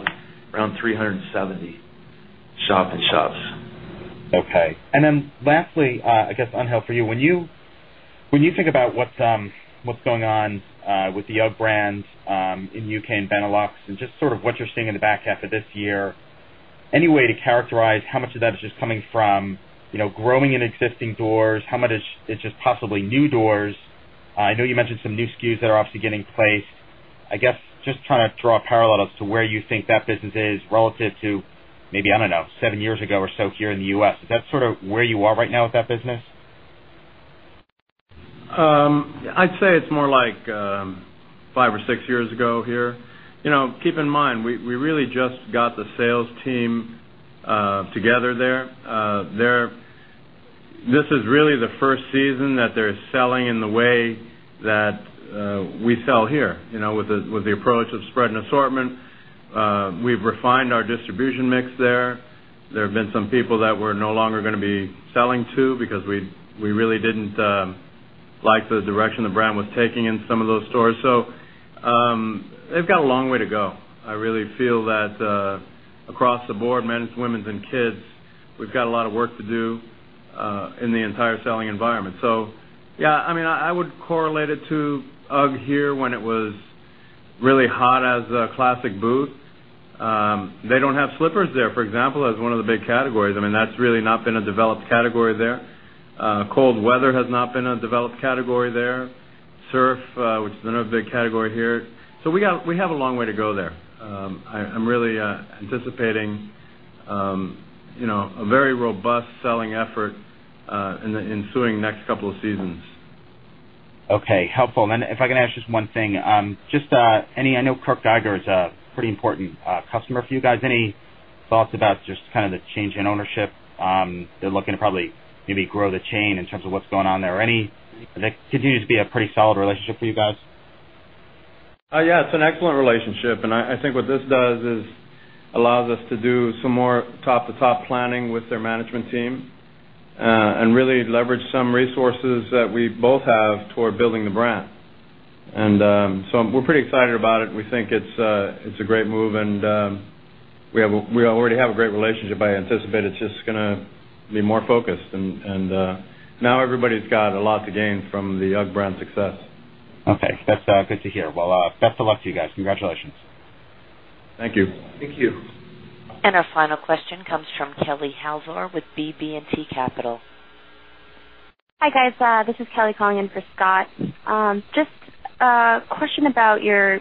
around 370 shop-in shops. Okay. Lastly, I guess, for you, when you think about what's going on with the UGG brand in the U.K. and Benelux and just sort of what you're seeing in the back half of this year, any way to characterize how much of that is just coming from growing in existing doors, how much is just possibly new doors? I know you mentioned some new SKUs that are obviously getting placed. I guess just trying to draw a parallel as to where you think that business is relative to maybe, I don't know, seven years ago or so here in the U.S. Is that sort of where you are right now with that business? I'd say it's more like five or six years ago here. Keep in mind, we really just got the sales team together there. This is really the first season that there is selling in the way that we sell here, with the approach of spreading assortment. We've refined our distribution mix there. There have been some people that we're no longer going to be selling to because we really didn't like the direction the brand was taking in some of those stores. They've got a long way to go. I really feel that across the board, men's, women's, and kids', we've got a lot of work to do in the entire selling environment. I would correlate it to UGG here when it was really hot as a classic boot. They don't have slippers there, for example, as one of the big categories. That's really not been a developed category there. Cold weather has not been a developed category there. Surf, which is another big category here. We have a long way to go there. I'm really anticipating a very robust selling effort in the ensuing next couple of seasons. Okay, helpful. If I can ask just one thing, I know Geiger is a pretty important customer for you guys. Any thoughts about the change in ownership? They're looking to probably maybe grow the chain in terms of what's going on there. That continues to be a pretty solid relationship for you guys? Yeah, it's an excellent relationship. I think what this does is allows us to do some more top-to-top planning with their management team and really leverage some resources that we both have toward building the brand. We're pretty excited about it. We think it's a great move. We already have a great relationship, but I anticipate it's just going to be more focused. Now everybody's got a lot to gain from the UGG brand success. Okay, that's good to hear. Best of luck to you guys. Congratulations. Thank you. Thank you. Our final question comes from Kelly Halsor with BB&T Capital. Hi guys, this is Kelly calling in for Scott. Just a question about your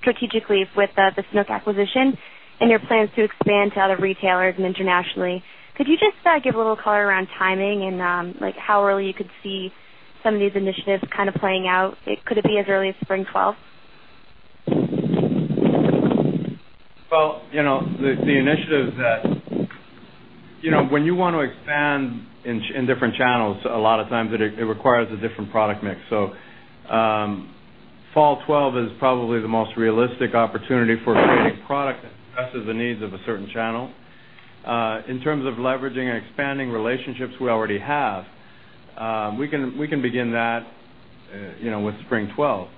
strategic leap with the Sanuk acquisition and your plans to expand to other retailers and internationally. Could you just give a little color around timing and how early you could see some of these initiatives kind of playing out? Could it be as early as spring 2012? The initiative is that, you know, when you want to expand in different channels, a lot of times it requires a different product mix. Fall 2012 is probably the most realistic opportunity for creating product that addresses the needs of a certain channel. In terms of leveraging and expanding relationships we already have, we can begin that with spring 2012.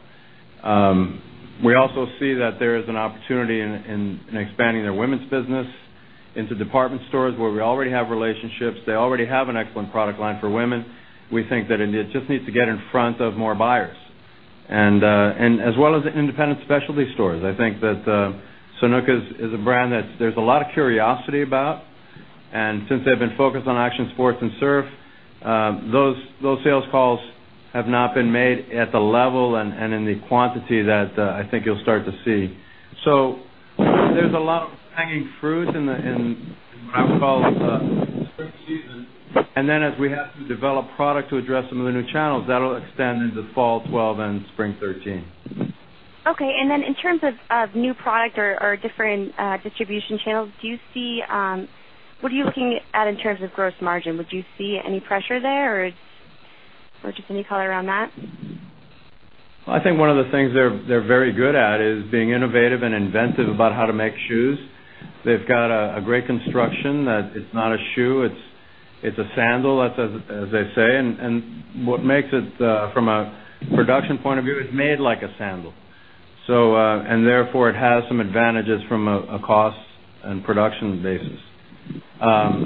We also see that there is an opportunity in expanding their women's business into department stores where we already have relationships. They already have an excellent product line for women. We think that it just needs to get in front of more buyers, as well as independent specialty stores. I think that Sanuk is a brand that there's a lot of curiosity about, and since they've been focused on action sports and surf, those sales calls have not been made at the level and in the quantity that I think you'll start to see. There's a lot of hanging fruit in what I would call, and then as we have to develop product to address some of the new channels, that'll extend into fall 2012 and spring 2013. Okay, in terms of new product or different distribution channels, do you see, what are you looking at in terms of gross margin? Would you see any pressure there, or just any color around that? I think one of the things they're very good at is being innovative and inventive about how to make shoes. They've got a great construction that it's not a shoe, it's a sandal, as they say. What makes it from a production point of view is made like a sandal, and therefore it has some advantages from a cost and price.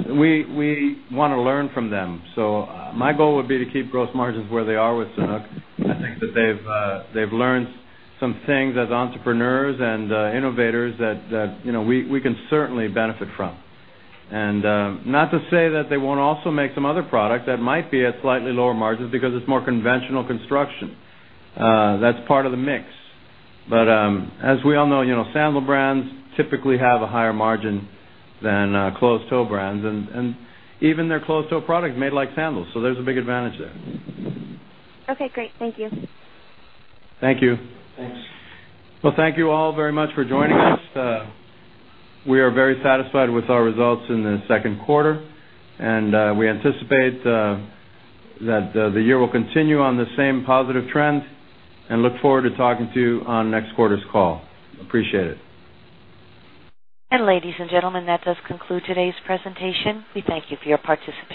We want to learn from them. My goal would be to keep gross margins where they are with Sanuk. I think that they've learned some things as entrepreneurs and innovators that we can certainly benefit from. Not to say that they won't also make some other product that might be at slightly lower margins because it's more conventional construction. That's part of the mix. As we all know, sandal brands typically have a higher margin than closed-toe brands, and even their closed-toe products are made like sandals, so there's a big advantage there. Okay, great. Thank you. Thank you. Thank you all very much for joining us. We are very satisfied with our results in the second quarter, and we anticipate that the year will continue on the same positive trend. We look forward to talking to you on next quarter's call. Appreciate it. Ladies and gentlemen, that does conclude today's presentation. We thank you for your participation.